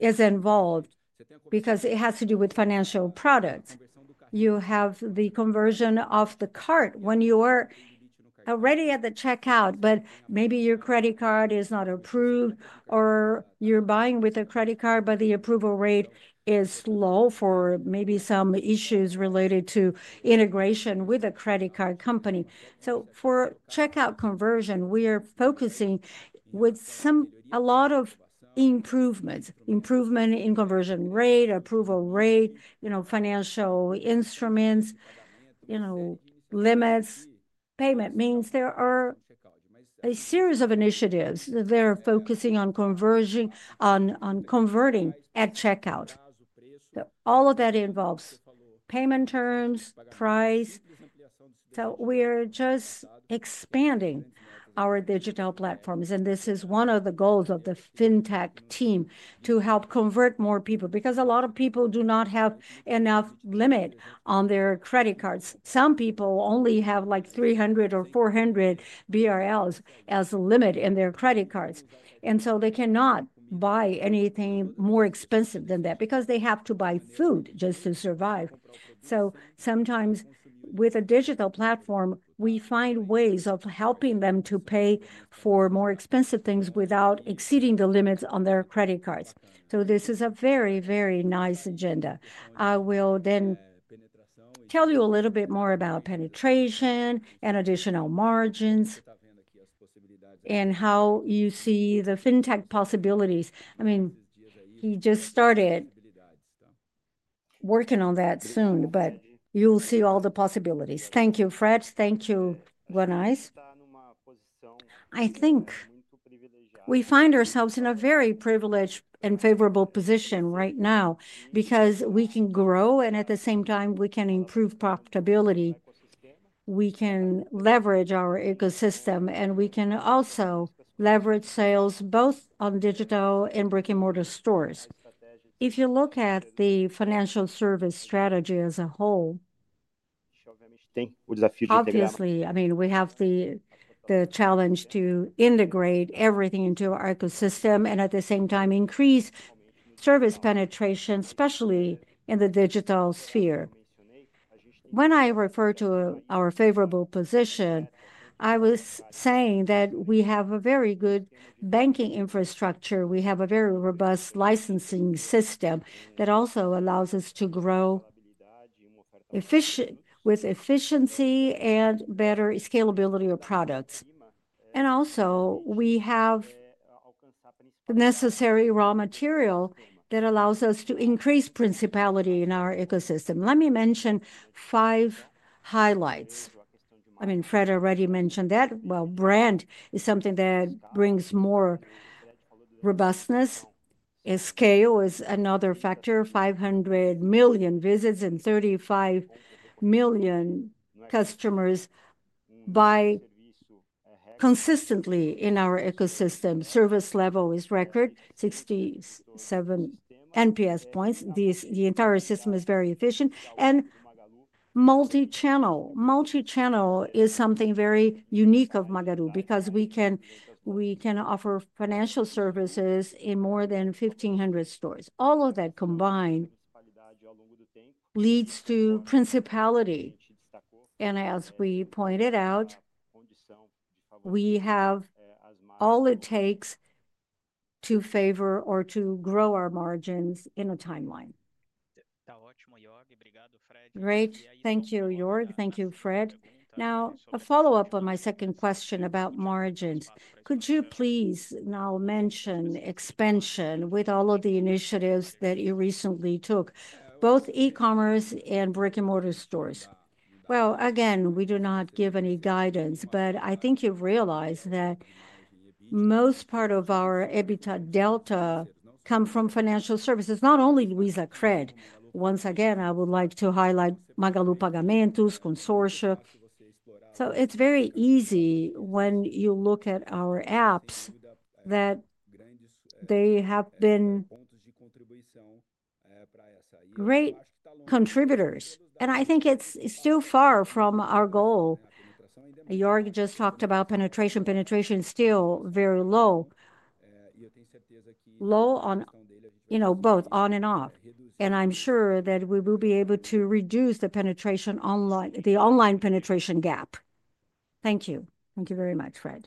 is involved because it has to do with financial products. You have the conversion of the cart when you are already at the checkout, but maybe your credit card is not approved or you are buying with a credit card, but the approval rate is low for maybe some issues related to integration with a credit card company. For checkout conversion, we are focusing with some, a lot of improvements, improvement in conversion rate, approval rate, you know, financial instruments, you know, limits, payment means. There are a series of initiatives that they're focusing on conversion, on converting at checkout. All of that involves payment terms, price. We're just expanding our digital platforms. This is one of the goals of the FinTech team to help convert more people because a lot of people do not have enough limit on their credit cards. Some people only have like 300 or 400 BRL as a limit in their credit cards, and they cannot buy anything more expensive than that because they have to buy food just to survive. Sometimes with a digital platform, we find ways of helping them to pay for more expensive things without exceeding the limits on their credit cards. This is a very, very nice agenda. I will then tell you a little bit more about penetration and additional margins and how you see the FinTech possibilities. I mean, he just started working on that soon, but you'll see all the possibilities. Thank you, Fred. Thank you, Guanais. I think we find ourselves in a very privileged and favorable position right now because we can grow and at the same time, we can improve profitability. We can leverage our ecosystem and we can also leverage sales both on digital and brick-and-mortar stores. If you look at the financial service strategy as a whole, obviously, I mean, we have the challenge to integrate everything into our ecosystem and at the same time, increase service penetration, especially in the digital sphere. When I refer to our favorable position, I was saying that we have a very good banking infrastructure. We have a very robust licensing system that also allows us to grow efficiently with efficiency and better scalability of products. Also, we have the necessary raw material that allows us to increase principality in our ecosystem. Let me mention five highlights. I mean, Fred already mentioned that. Brand is something that brings more robustness. Scale is another factor: 500 million visits and 35 million customers buy consistently in our ecosystem. Service level is record: 67 NPS points. The entire system is very efficient. Multi-channel, multi-channel is something very unique of Magalu because we can offer financial services in more than 1,500 stores. All of that combined leads to principality. As we pointed out, we have all it takes to favor or to grow our margins in a timeline. Great. Thank you, Jörg. Thank you, Fred. Now, a follow-up on my second question about margins. Could you please now mention expansion with all of the initiatives that you recently took, both e-commerce and brick-and-mortar stores? Again, we do not give any guidance, but I think you've realized that most part of our EBITDA delta comes from financial services, not only Luizacred. Once again, I would like to highlight Magalu Pagamentos, Consortium. It is very easy when you look at our apps that they have been great contributors. I think it's still far from our goal. Jörg just talked about penetration. Penetration is still very low, low on, you know, both on and off. I'm sure that we will be able to reduce the penetration online, the online penetration gap. Thank you. Thank you very much, Fred.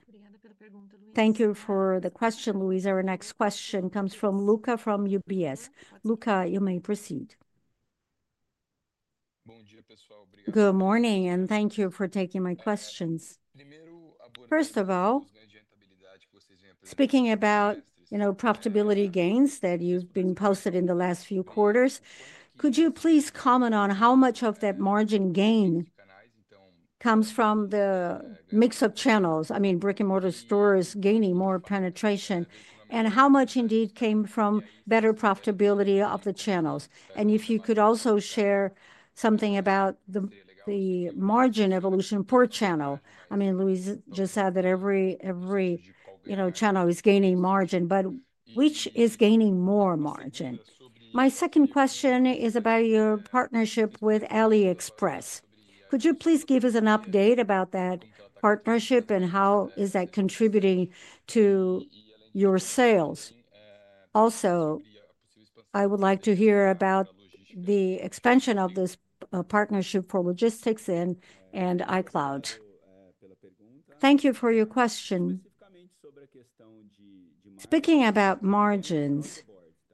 Thank you for the question, Luis. Our next question comes from Lucca from UBS. Luca, you may proceed. Bom dia, pessoal. Good morning, and thank you for taking my questions. First of all, speaking about, you know, profitability gains that you've been posting in the last few quarters, could you please comment on how much of that margin gain comes from the mix of channels? I mean, brick-and-mortar stores gaining more penetration and how much indeed came from better profitability of the channels. If you could also share something about the margin evolution per channel. I mean, Luis just said that every, you know, channel is gaining margin, but which is gaining more margin? My second question is about your partnership with AliExpress. Could you please give us an update about that partnership and how is that contributing to your sales? Also, I would like to hear about the expansion of this partnership for logistics and iCloud. Thank you for your question. Speaking about margins,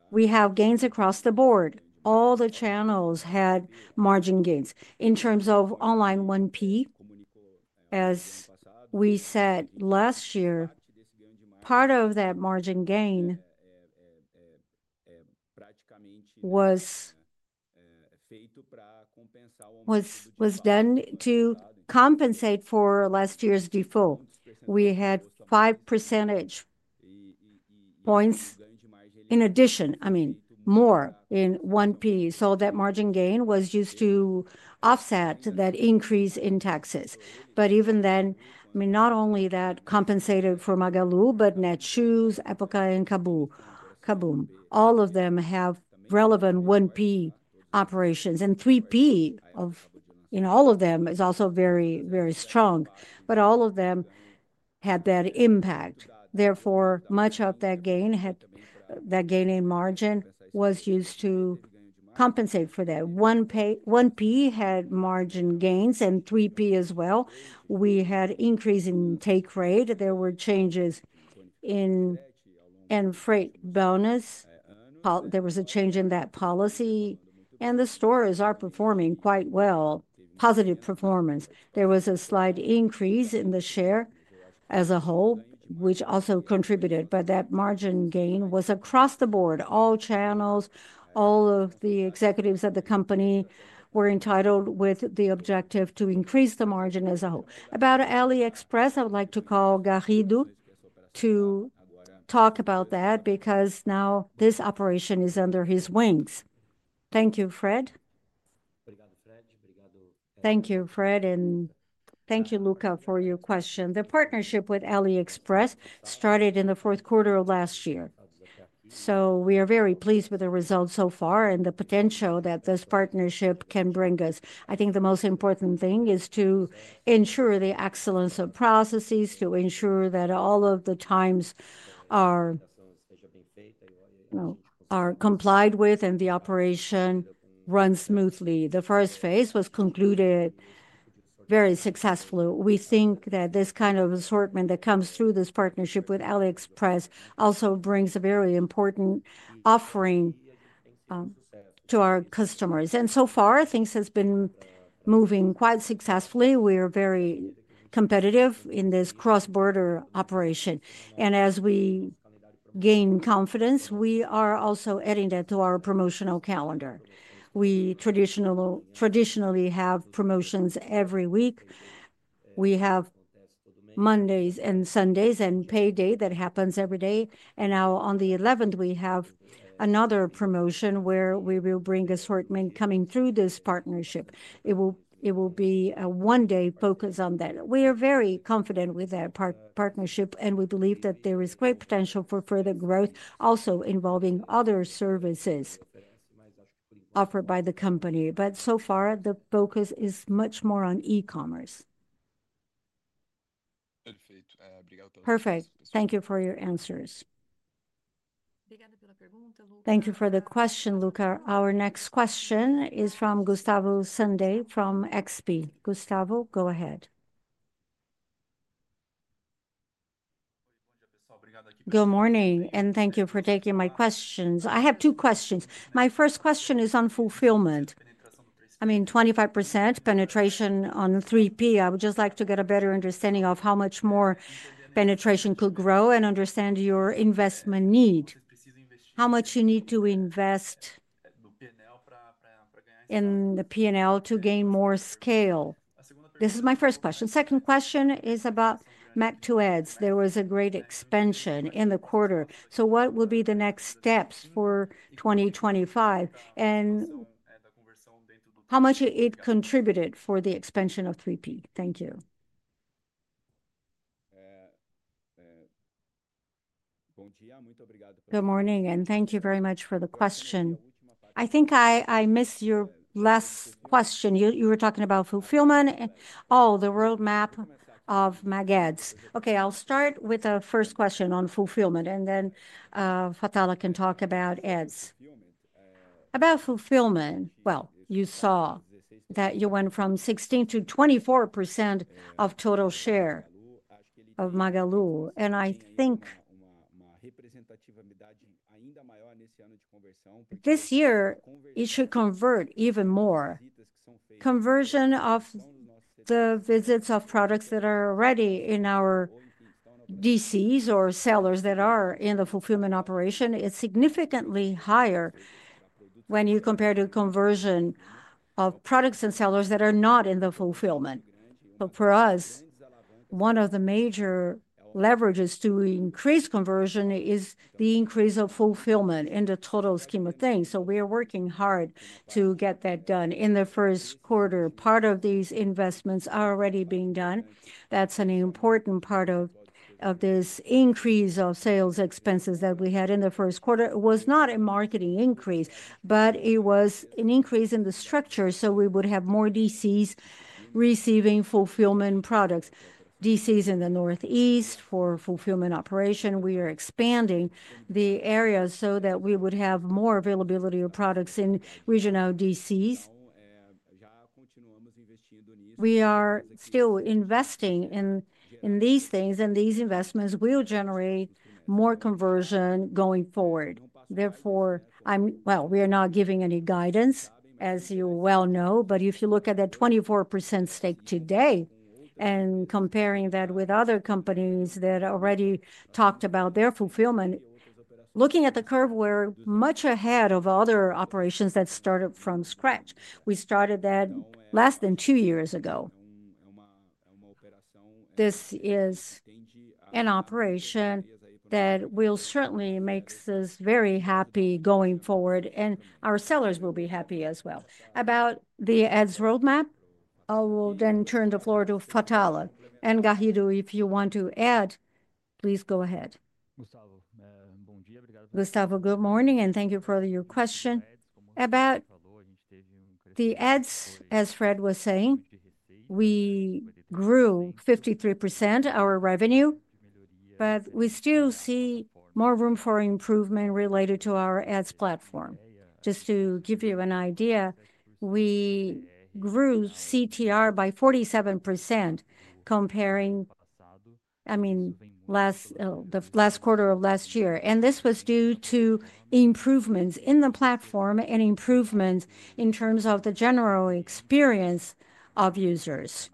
we have gains across the board. All the channels had margin gains in terms of online 1P, as we said last year. Part of that margin gain was done to compensate for last year's default. We had 5 percentage points in addition, I mean, more in 1P. So that margin gain was used to offset that increase in taxes. Even then, I mean, not only that compensated for Magalu, but Netshoes, Época, and KaBuM!. All of them have relevant 1P operations, and 3P of, you know, all of them is also very, very strong, but all of them had that impact. Therefore, much of that gain, that gain in margin was used to compensate for that. 1P had margin gains and 3P as well. We had increase in take rate. There were changes in freight bonus. There was a change in that policy. The stores are performing quite well, positive performance. There was a slight increase in the share as a whole, which also contributed, but that margin gain was across the board. All channels, all of the executives at the company were entitled with the objective to increase the margin as a whole. About AliExpress, I would like to call Garrido to talk about that because now this operation is under his wings. Thank you, Fred. Thank you, Fred, and thank you, Lucca, for your question. The partnership with AliExpress started in the fourth quarter of last year. We are very pleased with the result so far and the potential that this partnership can bring us. I think the most important thing is to ensure the excellence of processes, to ensure that all of the times are complied with and the operation runs smoothly. The first phase was concluded very successfully. We think that this kind of assortment that comes through this partnership with AliExpress also brings a very important offering to our customers. So far, things have been moving quite successfully. We are very competitive in this cross-border operation. As we gain confidence, we are also adding that to our promotional calendar. We traditionally have promotions every week. We have Mondays and Sundays and Pay Day that happens every day. Now on the 11th, we have another promotion where we will bring assortment coming through this partnership. It will be a one-day focus on that. We are very confident with that partnership, and we believe that there is great potential for further growth, also involving other services offered by the company. So far, the focus is much more on e-commerce. Perfect. Thank you for your answers. Thank you for the question, Lucca. Our next question is from Gustavo Senday from XP. Gustavo, go ahead. Good morning, and thank you for taking my questions. I have two questions. My first question is on fulfillment. I mean, 25% penetration on 3P. I would just like to get a better understanding of how much more penetration could grow and understand your investment need. How much you need to invest in the P&L to gain more scale? This is my first question. Second question is about MagaluAds. There was a great expansion in the quarter. What will be the next steps for 2025? How much it contributed for the expansion of 3P? Thank you. Bom dia, muito obrigado. Good morning, and thank you very much for the question. I think I missed your last question. You were talking about fulfillment and all the roadmap of MagaluAds. Okay, I'll start with the first question on fulfillment, and then Fatala can talk about Ads. About fulfillment, you saw that you went from 16% to 24% of total share of Magalu, and I think this year it should convert even more. Conversion of the visits of products that are already in our DCs or sellers that are in the fulfillment operation is significantly higher when you compare to conversion of products and sellers that are not in the fulfillment. For us, one of the major leverages to increase conversion is the increase of fulfillment in the total scheme of things. We are working hard to get that done in the first quarter. Part of these investments are already being done. That's an important part of this increase of sales expenses that we had in the first quarter. It was not a marketing increase, but it was an increase in the structure. We would have more DCs receiving fulfillment products. DCs in the Northeast for fulfillment operation. We are expanding the area so that we would have more availability of products in regional DCs. We are still investing in these things, and these investments will generate more conversion going forward. Therefore, we are not giving any guidance, as you well know, but if you look at that 24% stake today and comparing that with other companies that already talked about their fulfillment, looking at the curve, we're much ahead of other operations that started from scratch. We started that less than 2 years ago. This is an operation that will certainly make us very happy going forward, and our sellers will be happy as well. About the Ads roadmap, I will then turn the floor to Fatala. And Garrido, if you want to add, please go ahead. Gustavo, good morning, and thank you for your question. About the Ads, as Fred was saying, we grew 53% of our revenue, but we still see more room for improvement related to our Ads platform. Just to give you an idea, we grew CTR by 47% comparing, I mean, the last quarter of last year. This was due to improvements in the platform and improvements in terms of the general experience of users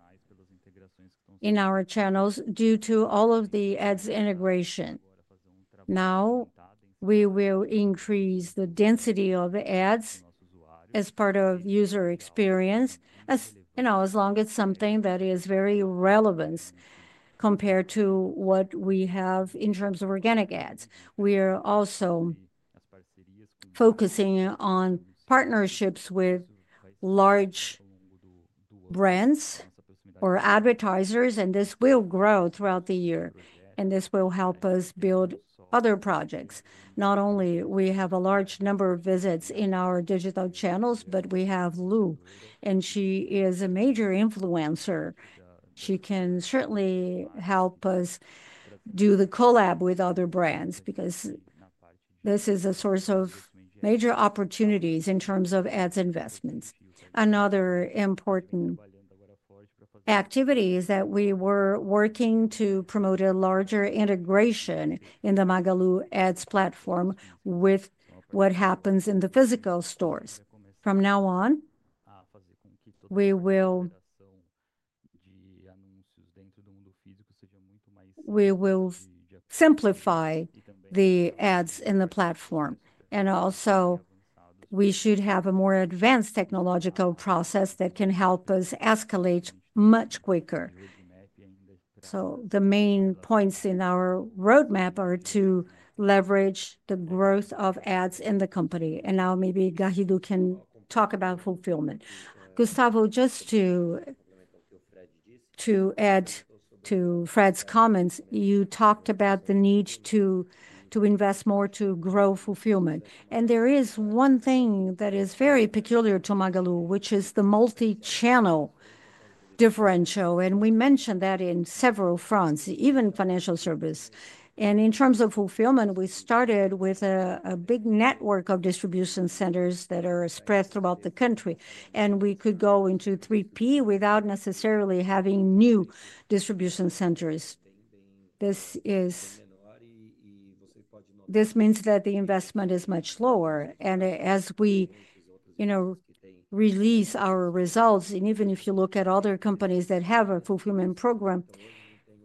in our channels due to all of the Ads integration. Now, we will increase the density of the ads as part of user experience, as you know, as long as something that is very relevant compared to what we have in terms of organic ads. We are also focusing on partnerships with large brands or advertisers, and this will grow throughout the year. This will help us build other projects. Not only do we have a large number of visits in our digital channels, but we have Lu, and she is a major influencer. She can certainly help us do the collab with other brands because this is a source of major opportunities in terms of ads investments. Another important activity is that we were working to promote a larger integration in the MagaluAds platform with what happens in the physical stores. From now on, we will simplify the ads in the platform. We should have a more advanced technological process that can help us escalate much quicker. The main points in our roadmap are to leverage the growth of ads in the company. Maybe Garrido can talk about fulfillment. Gustavo, just to add to Fred's comments, you talked about the need to invest more to grow fulfillment. There is one thing that is very peculiar to Magalu, which is the multi-channel differential. We mentioned that in several fronts, even financial service. In terms of fulfillment, we started with a big network of distribution centers that are spread throughout the country. We could go into 3P without necessarily having new distribution centers. This means that the investment is much lower. As we, you know, release our results, and even if you look at other companies that have a fulfillment program,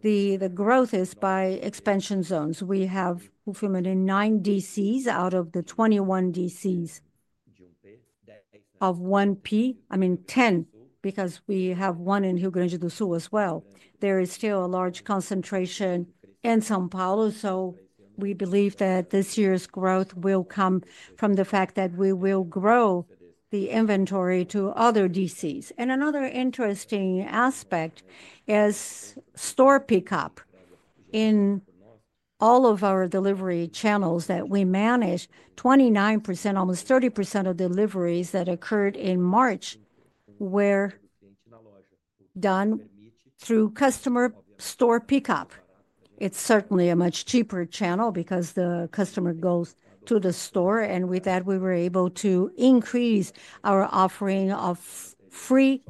the growth is by expansion zones. We have fulfillment in 9 DCs out of the 21 DCs of 1P, I mean 10, because we have one in Rio Grande do Sul as well. There is still a large concentration in São Paulo. We believe that this year's growth will come from the fact that we will grow the inventory to other DCs. Another interesting aspect is store pickup in all of our delivery channels that we manage: 29%, almost 30% of deliveries that occurred in March were done through customer store pickup. It is certainly a much cheaper channel because the customer goes to the store. With that, we were able to increase our offering of free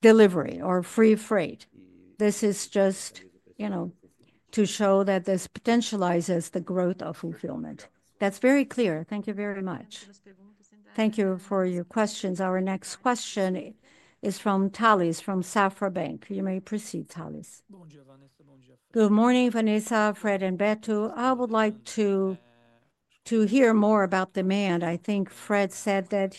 delivery or free freight. This is just, you know, to show that this potentializes the growth of fulfillment. That's very clear. Thank you very much. Thank you for your questions. Our next question is from Tales from Safra Bank. You may proceed, Thalys. Good morning, Vanessa, Fred, and Beto. I would like to hear more about demand. I think Fred said that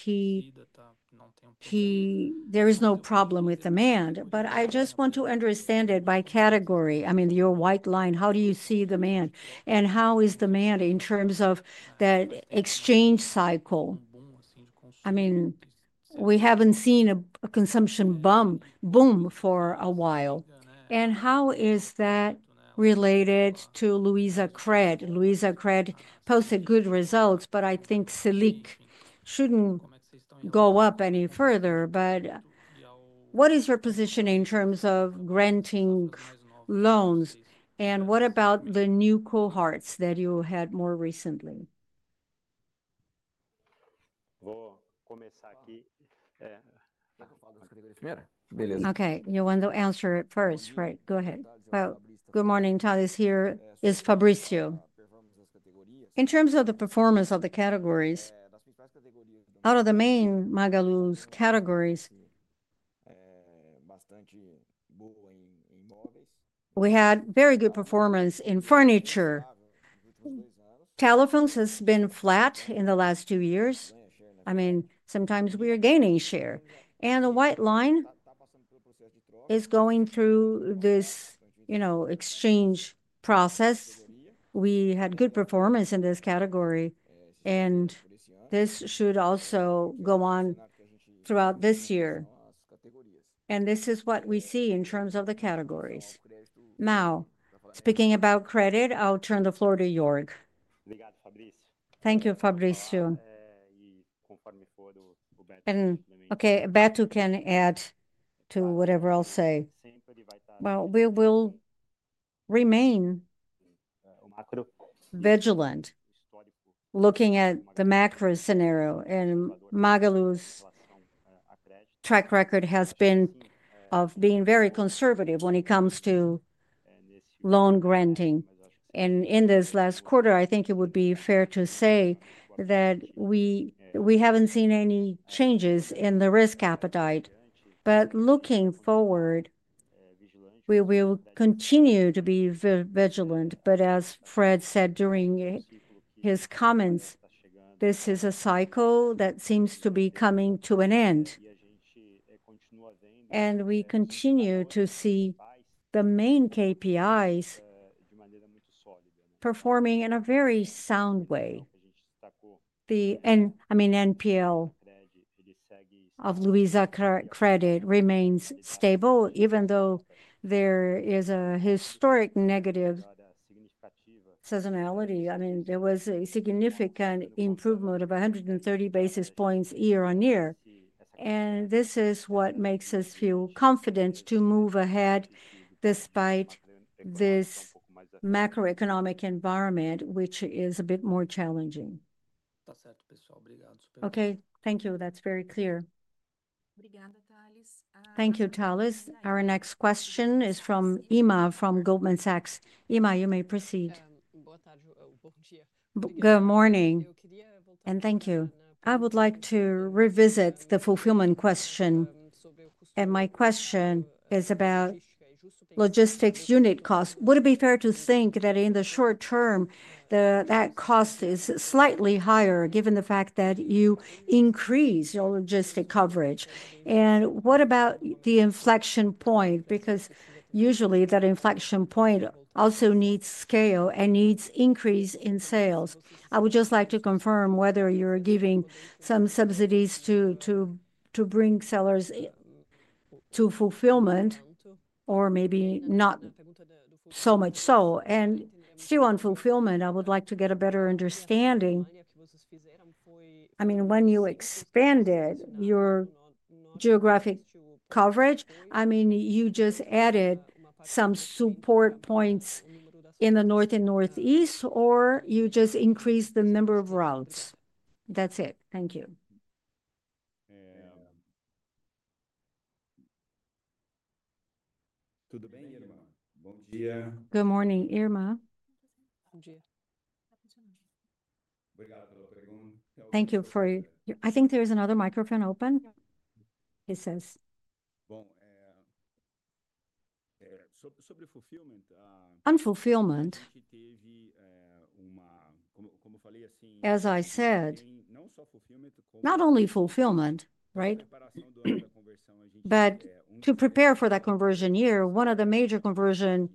there is no problem with demand, but I just want to understand it by category. I mean, your white line, how do you see demand? I mean, how is demand in terms of that exchange cycle? I mean, we haven't seen a consumption boom for a while. How is that related to Luizacred? Luizacred posted good results, but I think SELIC shouldn't go up any further. What is your position in terms of granting loans? What about the new cohorts that you had more recently? Okay, you want to answer it first, right? Go ahead. Good morning, Tales here. Is Fabrício. In terms of the performance of the categories, out of the main Magalu's categories, we had very good performance in furniture. Telephones has been flat in the last 2 years. I mean, sometimes we are gaining share. The white line is going through this, you know, exchange process. We had good performance in this category, and this should also go on throughout this year. This is what we see in terms of the categories. Now, speaking about credit, I'll turn the floor to Jörg. Thank you, Fabrício. Okay, Beto can add to whatever I'll say. We will remain vigilant, looking at the macro scenario. Magalu's track record has been of being very conservative when it comes to loan granting. In this last quarter, I think it would be fair to say that we have not seen any changes in the risk appetite. Looking forward, we will continue to be vigilant. As Fred said during his comments, this is a cycle that seems to be coming to an end. We continue to see the main KPIs performing in a very sound way. I mean, NPL of Luizacred remains stable, even though there is a historic negative seasonality. There was a significant improvement of 130 basis points year on year. This is what makes us feel confident to move ahead despite this macroeconomic environment, which is a bit more challenging. Okay, thank you. That is very clear. Thank you, Tales. Our next question is from Irma from Goldman Sachs. Irma, you may proceed. Good morning. Thank you. I would like to revisit the fulfillment question. My question is about logistics unit costs. Would it be fair to think that in the short term, that cost is slightly higher given the fact that you increase your logistic coverage? What about the inflection point? Because usually that inflection point also needs scale and needs increase in sales. I would just like to confirm whether you're giving some subsidies to bring sellers to fulfillment or maybe not so much so. Still on fulfillment, I would like to get a better understanding. I mean, when you expanded your geographic coverage, I mean, you just added some support points in the north and northeast, or you just increased the number of routes. That's it. Thank you. Good morning, Irma. Thank you for your... I think there is another microphone open. He says, as I said, not only fulfillment, right? To prepare for that conversion year, one of the major conversion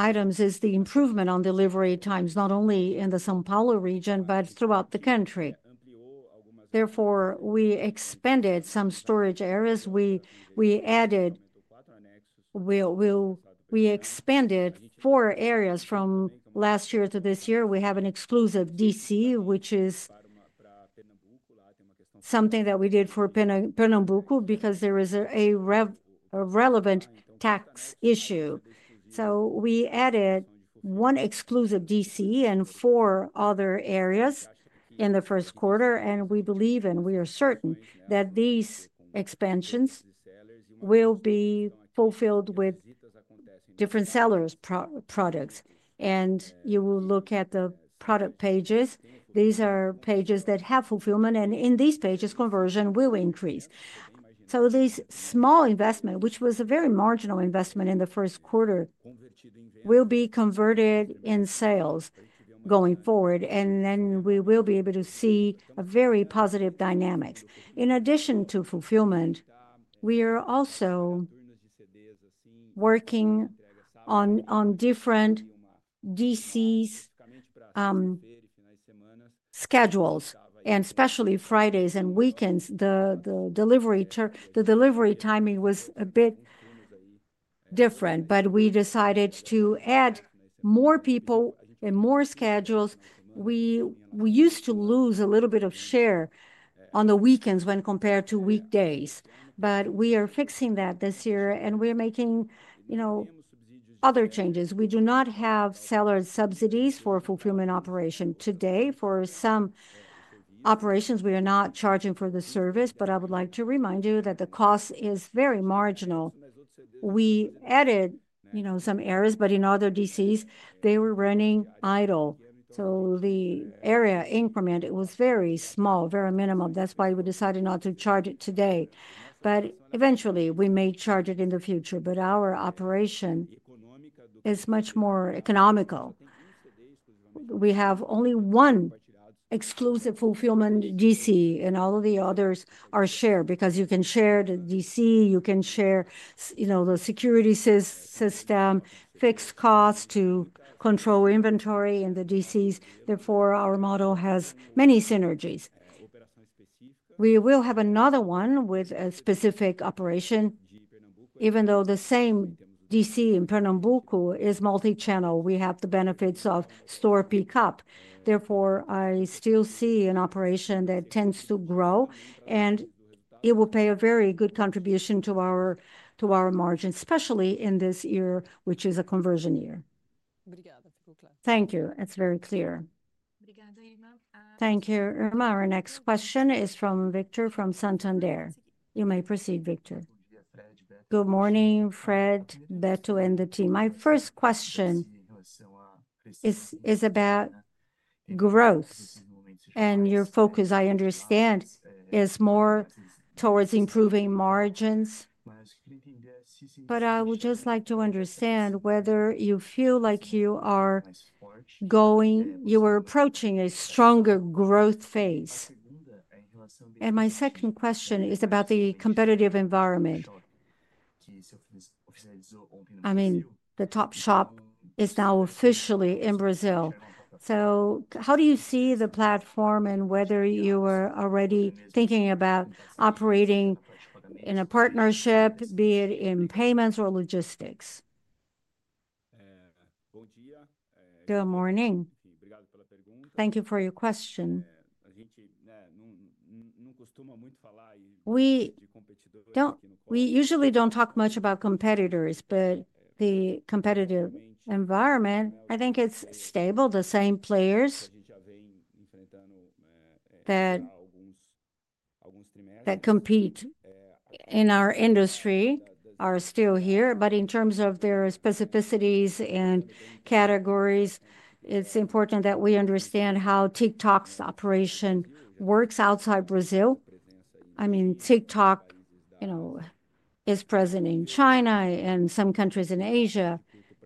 items is the improvement on delivery times, not only in the São Paulo region, but throughout the country. Therefore, we expanded some storage areas. We added... We expanded four areas from last year to this year. We have an exclusive DC, which is something that we did for Pernambuco because there is a relevant tax issue. We added one exclusive DC and four other areas in the first quarter. We believe, and we are certain that these expansions will be fulfilled with different sellers' products. You will look at the product pages. These are pages that have fulfillment. In these pages, conversion will increase. This small investment, which was a very marginal investment in the first quarter, will be converted in sales going forward. We will be able to see very positive dynamics. In addition to fulfillment, we are also working on different DCs schedules, and especially Fridays and weekends. The delivery timing was a bit different, but we decided to add more people and more schedules. We used to lose a little bit of share on the weekends when compared to weekdays. We are fixing that this year, and we are making, you know, other changes. We do not have seller subsidies for fulfillment operation today. For some operations, we are not charging for the service. I would like to remind you that the cost is very marginal. We added, you know, some areas, but in other DCs, they were running idle. The area increment, it was very small, very minimal. That is why we decided not to charge it today. Eventually, we may charge it in the future. Our operation is much more economical. We have only one exclusive fulfillment DC, and all of the others are shared because you can share the DC, you can share, you know, the security system, fixed costs to control inventory in the DCs. Therefore, our model has many synergies. We will have another one with a specific operation. Even though the same DC in Pernambuco is multi-channel, we have the benefits of store pickup. Therefore, I still see an operation that tends to grow, and it will pay a very good contribution to our margin, especially in this year, which is a conversion year. Thank you. It's very clear. Thank you, Irma. Our next question is from Victor from Santander. You may proceed, Victor. Good morning, Fred, Beto, and the team. My first question is about growth. Your focus, I understand, is more towards improving margins. I would just like to understand whether you feel like you are going, you are approaching a stronger growth phase. My second question is about the competitive environment. I mean, the TikTok Shop is now officially in Brazil. How do you see the platform and whether you are already thinking about operating in a partnership, be it in payments or logistics? Good morning. Thank you for your question. We usually do not talk much about competitors, but the competitive environment, I think it is stable. The same players that compete in our industry are still here. In terms of their specificities and categories, it is important that we understand how TikTok's operation works outside Brazil. I mean, TikTok, you know, is present in China and some countries in Asia.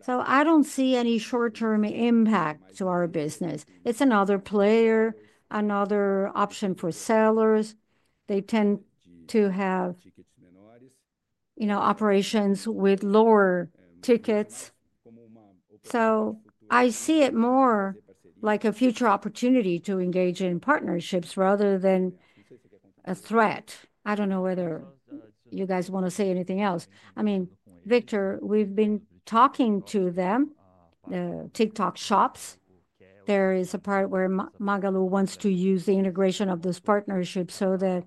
I do not see any short-term impact to our business. It's another player, another option for sellers. They tend to have, you know, operations with lower tickets. I see it more like a future opportunity to engage in partnerships rather than a threat. I don't know whether you guys want to say anything else. I mean, Victor, we've been talking to them, the TikTok shops. There is a part where Magalu wants to use the integration of this partnership so that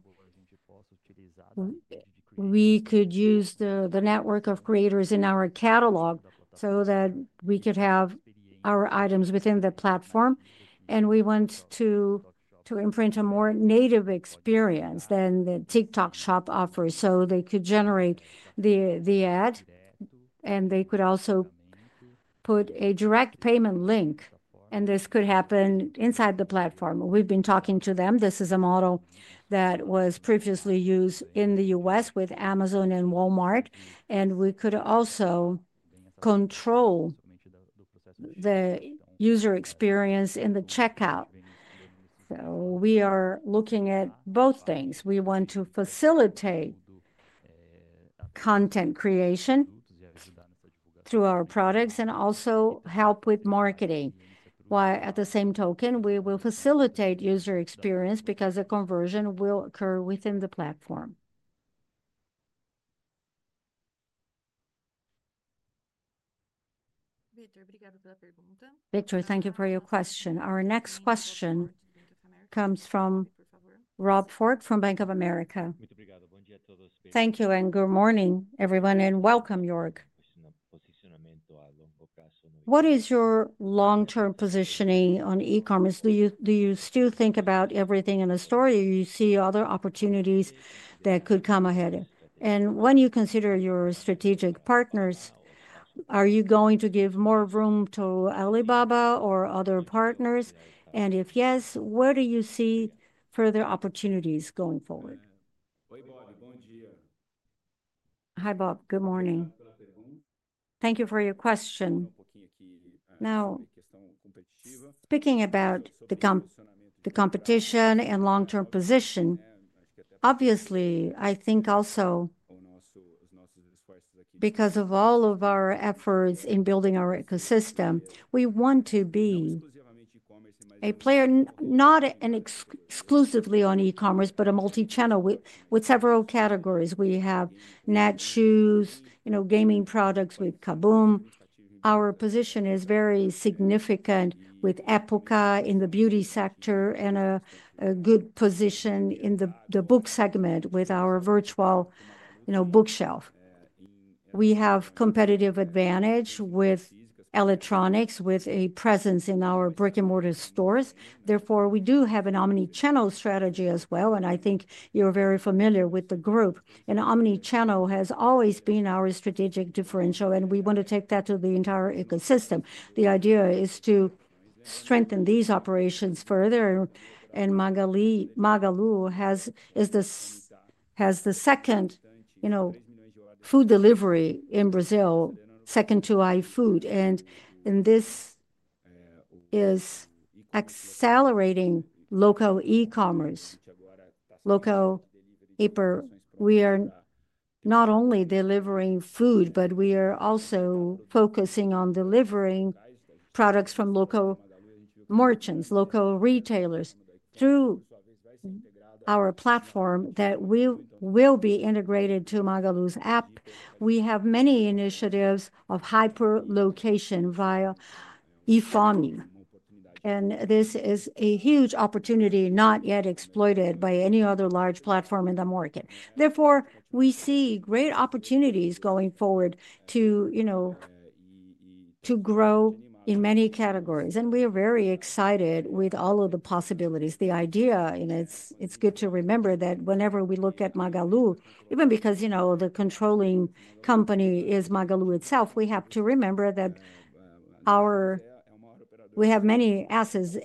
we could use the network of creators in our catalog so that we could have our items within the platform. We want to imprint a more native experience than the TikTok shop offers so they could generate the ad and they could also put a direct payment link. This could happen inside the platform. We've been talking to them. This is a model that was previously used in the U.S. with Amazon and Walmart. We could also control the user experience in the checkout. We are looking at both things. We want to facilitate content creation through our products and also help with marketing. While at the same token, we will facilitate user experience because a conversion will occur within the platform. Victor, thank you for your question. Our next question comes from Bob Ford from Bank of America. Thank you and good morning, everyone, and welcome, Jörg. What is your long-term positioning on e-commerce? Do you still think about everything in a story? Do you see other opportunities that could come ahead? When you consider your strategic partners, are you going to give more room to Alibaba or other partners? If yes, where do you see further opportunities going forward? Hi, Bob. Good morning. Thank you for your question. Now, speaking about the competition and long-term position, obviously, I think also because of all of our efforts in building our ecosystem, we want to be a player, not exclusively on e-commerce, but a multi-channel with several categories. We have Netshoes, you know, gaming products with KaBuM!. Our position is very significant with Época in the beauty sector and a good position in the book segment with our virtual, you know, bookshelf. We have competitive advantage with electronics, with a presence in our brick-and-mortar stores. Therefore, we do have an omnichannel strategy as well. I think you're very familiar with the group. Omnichannel has always been our strategic differential. We want to take that to the entire ecosystem. The idea is to strengthen these operations further. Magalu has the second, you know, food delivery in Brazil, second to AiQFome. This is accelerating local e-commerce. Local, we are not only delivering food, but we are also focusing on delivering products from local merchants, local retailers through our platform that will be integrated to Magalu's app. We have many initiatives of hyperlocation via e-farming. This is a huge opportunity not yet exploited by any other large platform in the market. Therefore, we see great opportunities going forward to, you know, to grow in many categories. We are very excited with all of the possibilities. The idea, and it's good to remember that whenever we look at Magalu, even because, you know, the controlling company is Magalu itself, we have to remember that we have many assets.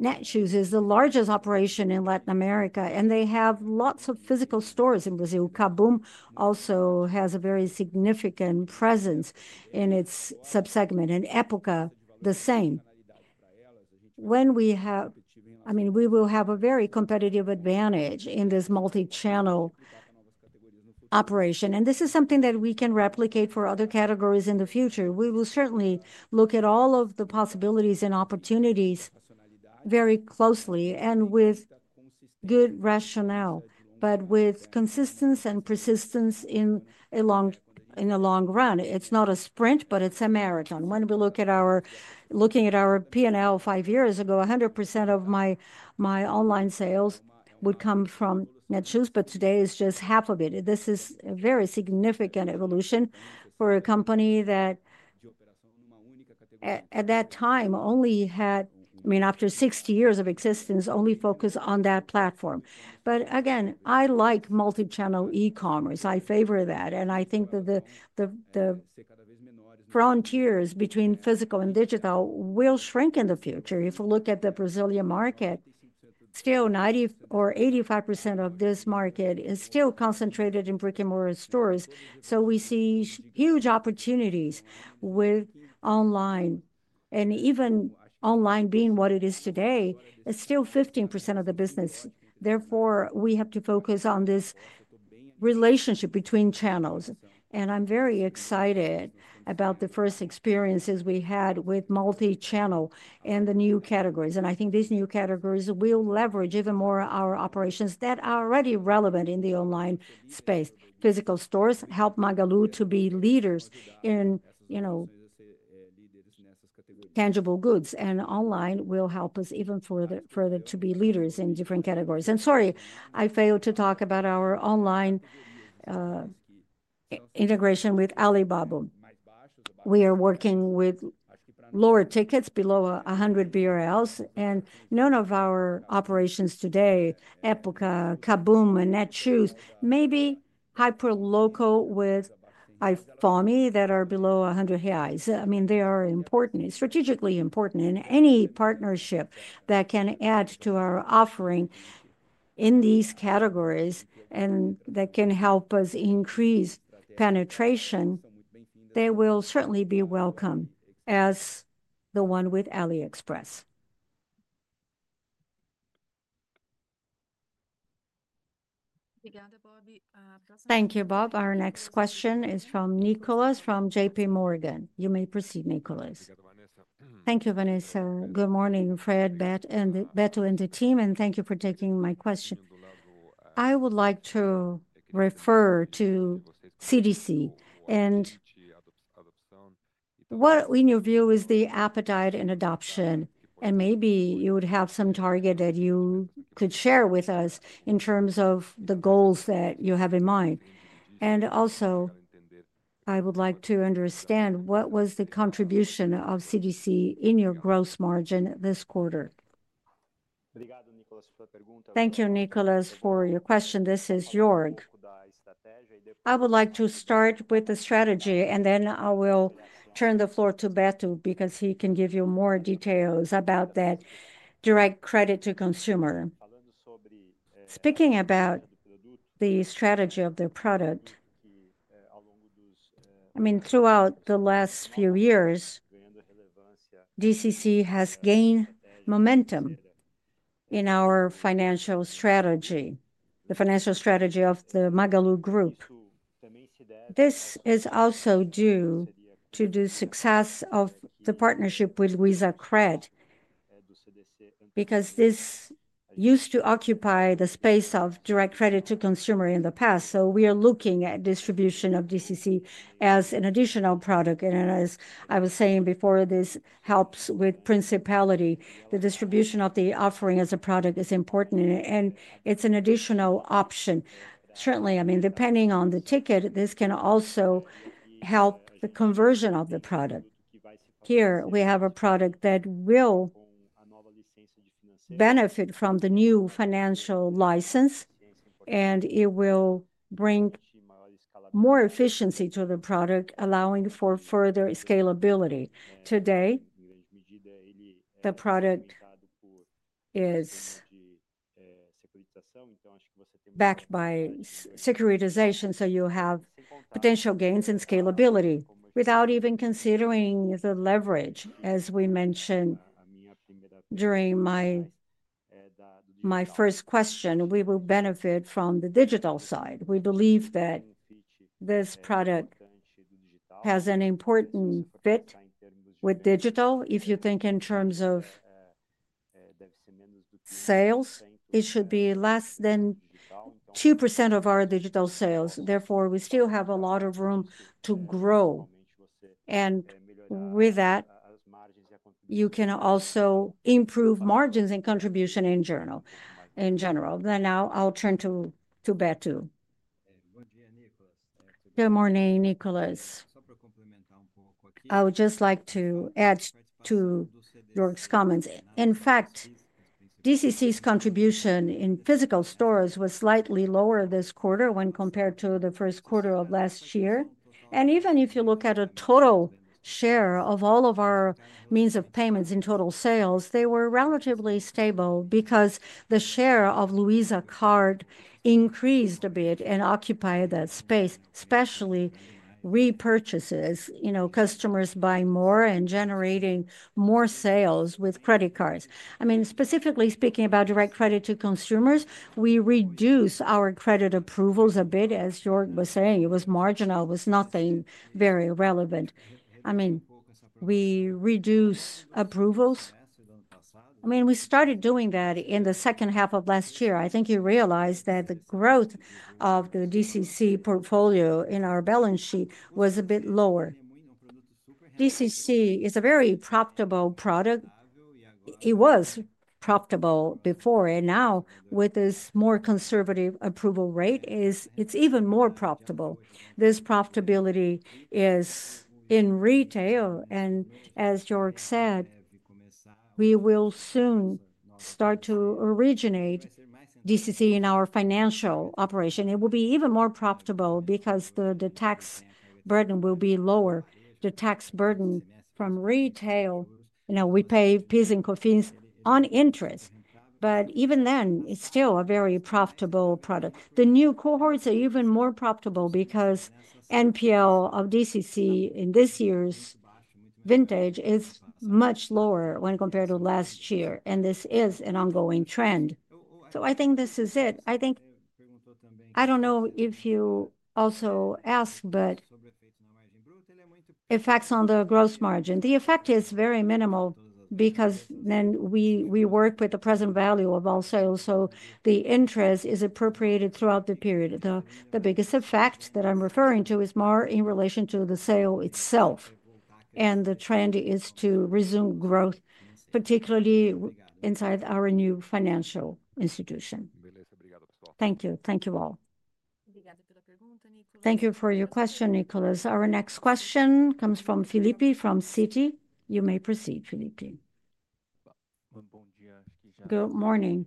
Netshoes is the largest operation in Latin America, and they have lots of physical stores in Brazil. KaBuM! also has a very significant presence in its subsegment, and Época the same. When we have, I mean, we will have a very competitive advantage in this multi-channel operation. This is something that we can replicate for other categories in the future. We will certainly look at all of the possibilities and opportunities very closely and with good rationale, but with consistency and persistence in the long run. It's not a sprint, but it's a marathon. When we look at our, looking at our P&L 5 years ago, 100% of my online sales would come from Netshoes, but today it's just half of it. This is a very significant evolution for a company that at that time only had, I mean, after 60 years of existence, only focused on that platform. Again, I like multi-channel e-commerce. I favor that. I think that the frontiers between physical and digital will shrink in the future. If we look at the Brazilian market, still 90% or 85% of this market is still concentrated in brick-and-mortar stores. We see huge opportunities with online. Even online being what it is today, it is still 15% of the business. Therefore, we have to focus on this relationship between channels. I am very excited about the first experiences we had with multi-channel and the new categories. I think these new categories will leverage even more our operations that are already relevant in the online space. Physical stores help Magalu to be leaders in, you know, tangible goods. Online will help us even further to be leaders in different categories. Sorry, I failed to talk about our online integration with Alibaba. We are working with lower tickets below 100 BRL. None of our operations today, Época, KaBuM!, and Netshoes, maybe hyperlocal with AiQFome, that are below 100 reais. I mean, they are important, strategically important in any partnership that can add to our offering in these categories and that can help us increase penetration. They will certainly be welcome as the one with AliExpress. Thank you, Bob. Our next question is from Nicholas from JPMorgan. You may proceed, Nicholas. Thank you, Vanessa. Good morning, Fred, Beto and the team, and thank you for taking my question. I would like to refer to CDC. What in your view is the appetite and adoption? Maybe you would have some target that you could share with us in terms of the goals that you have in mind. Also, I would like to understand what was the contribution of CDC in your gross margin this quarter? Thank you, Nicholas, for your question. This is Jörg. I would like to start with the strategy, and then I will turn the floor to Beto because he can give you more details about that direct credit to consumer. Speaking about the strategy of their product, I mean, throughout the last few years, CDC has gained momentum in our financial strategy, the financial strategy of the Magalu Group. This is also due to the success of the partnership with Luizacred because this used to occupy the space of direct credit to consumer in the past. We are looking at distribution of CDC as an additional product. As I was saying before, this helps with principality. The distribution of the offering as a product is important, and it is an additional option. Certainly, I mean, depending on the ticket, this can also help the conversion of the product. Here we have a product that will benefit from the new financial license, and it will bring more efficiency to the product, allowing for further scalability. Today, the product is backed by securitization, so you have potential gains in scalability without even considering the leverage, as we mentioned during my first question. We will benefit from the digital side. We believe that this product has an important fit with digital. If you think in terms of sales, it should be less than 2% of our digital sales. Therefore, we still have a lot of room to grow. With that, you can also improve margins and contribution in general. In general. Now I'll turn to Beto. Good morning, Nicholas. I would just like to add to Jörg's comments. In fact, CDC's contribution in physical stores was slightly lower this quarter when compared to the first quarter of last year. If you look at a total share of all of our means of payments in total sales, they were relatively stable because the share of Luiza Card increased a bit and occupied that space, especially repurchases. You know, customers buy more and generating more sales with credit cards. I mean, specifically speaking about direct credit to consumers, we reduce our credit approvals a bit, as Jörg was saying. It was marginal. It was nothing very relevant. I mean, we reduce approvals. I mean, we started doing that in the second half of last year. I think you realize that the growth of the CDC portfolio in our balance sheet was a bit lower. CDC is a very profitable product. It was profitable before, and now with this more conservative approval rate, it's even more profitable. This profitability is in retail. As Jörg said, we will soon start to originate CDC in our financial operation. It will be even more profitable because the tax burden will be lower. The tax burden from retail, you know, we pay PIS and COFINS on interest. Even then, it is still a very profitable product. The new cohorts are even more profitable because NPL of CDC in this year's vintage is much lower when compared to last year. This is an ongoing trend. I think this is it. I do not know if you also asked, but effects on the gross margin. The effect is very minimal because we work with the present value of all sales. The interest is appropriated throughout the period. The biggest effect that I am referring to is more in relation to the sale itself. The trend is to resume growth, particularly inside our new financial institution. Thank you. Thank you all. Thank you for your question, Nicholas. Our next question comes from Felipe from Citibank. You may proceed, Felipe. Good morning.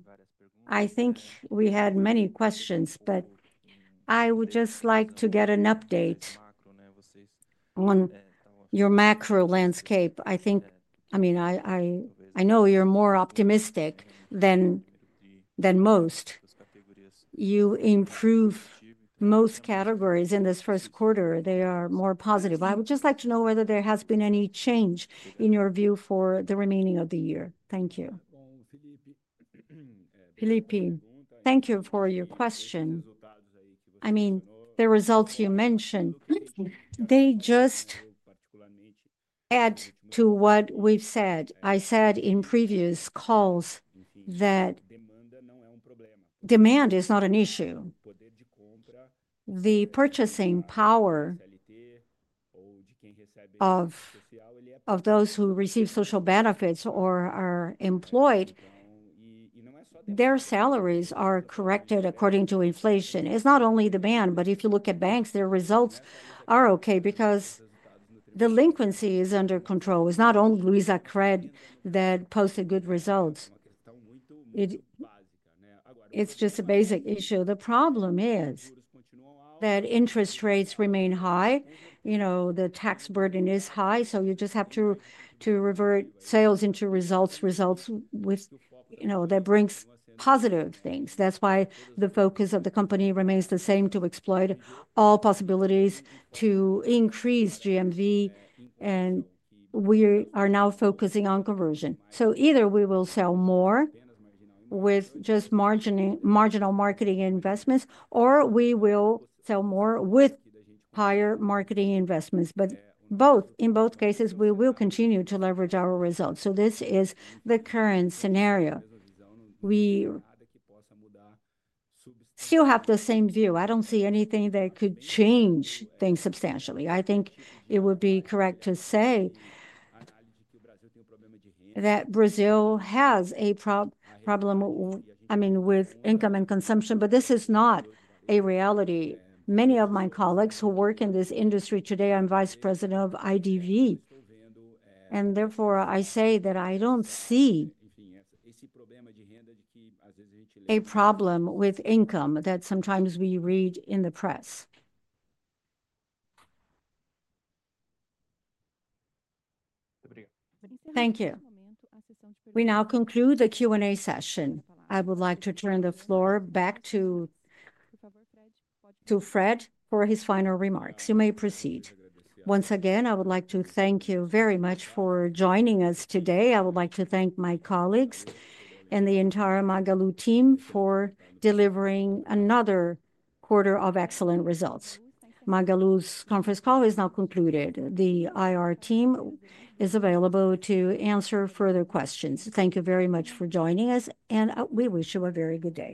I think we had many questions, but I would just like to get an update on your macro landscape. I think, I mean, I know you're more optimistic than most. You improved most categories in this first quarter. They are more positive. I would just like to know whether there has been any change in your view for the remaining of the year. Thank you. Felipe, thank you for your question. I mean, the results you mentioned, they just add to what we've said. I said in previous calls that demand is not an issue. The purchasing power of those who receive social benefits or are employed, their salaries are corrected according to inflation. It's not only the demand, but if you look at banks, their results are okay because delinquency is under control. It's not only Luizacred that posted good results. It's just a basic issue. The problem is that interest rates remain high. You know, the tax burden is high, so you just have to revert sales into results. Results with, you know, that brings positive things. That's why the focus of the company remains the same: to exploit all possibilities to increase GMV. We are now focusing on conversion. Either we will sell more with just marginal marketing investments, or we will sell more with higher marketing investments. In both cases, we will continue to leverage our results. This is the current scenario. We still have the same view. I don't see anything that could change things substantially. I think it would be correct to say that Brazil has a problem, I mean, with income and consumption, but this is not a reality. Many of my colleagues who work in this industry today, I'm Vice President of the IDV. And therefore, I say that I don't see a problem with income that sometimes we read in the press. Thank you. We now conclude the Q&A session. I would like to turn the floor back to Fred for his final remarks. You may proceed. Once again, I would like to thank you very much for joining us today. I would like to thank my colleagues and the entire Magalu team for delivering another quarter of excellent results. Magalu's conference call is now concluded. The IR team is available to answer further questions. Thank you very much for joining us, and we wish you a very good day.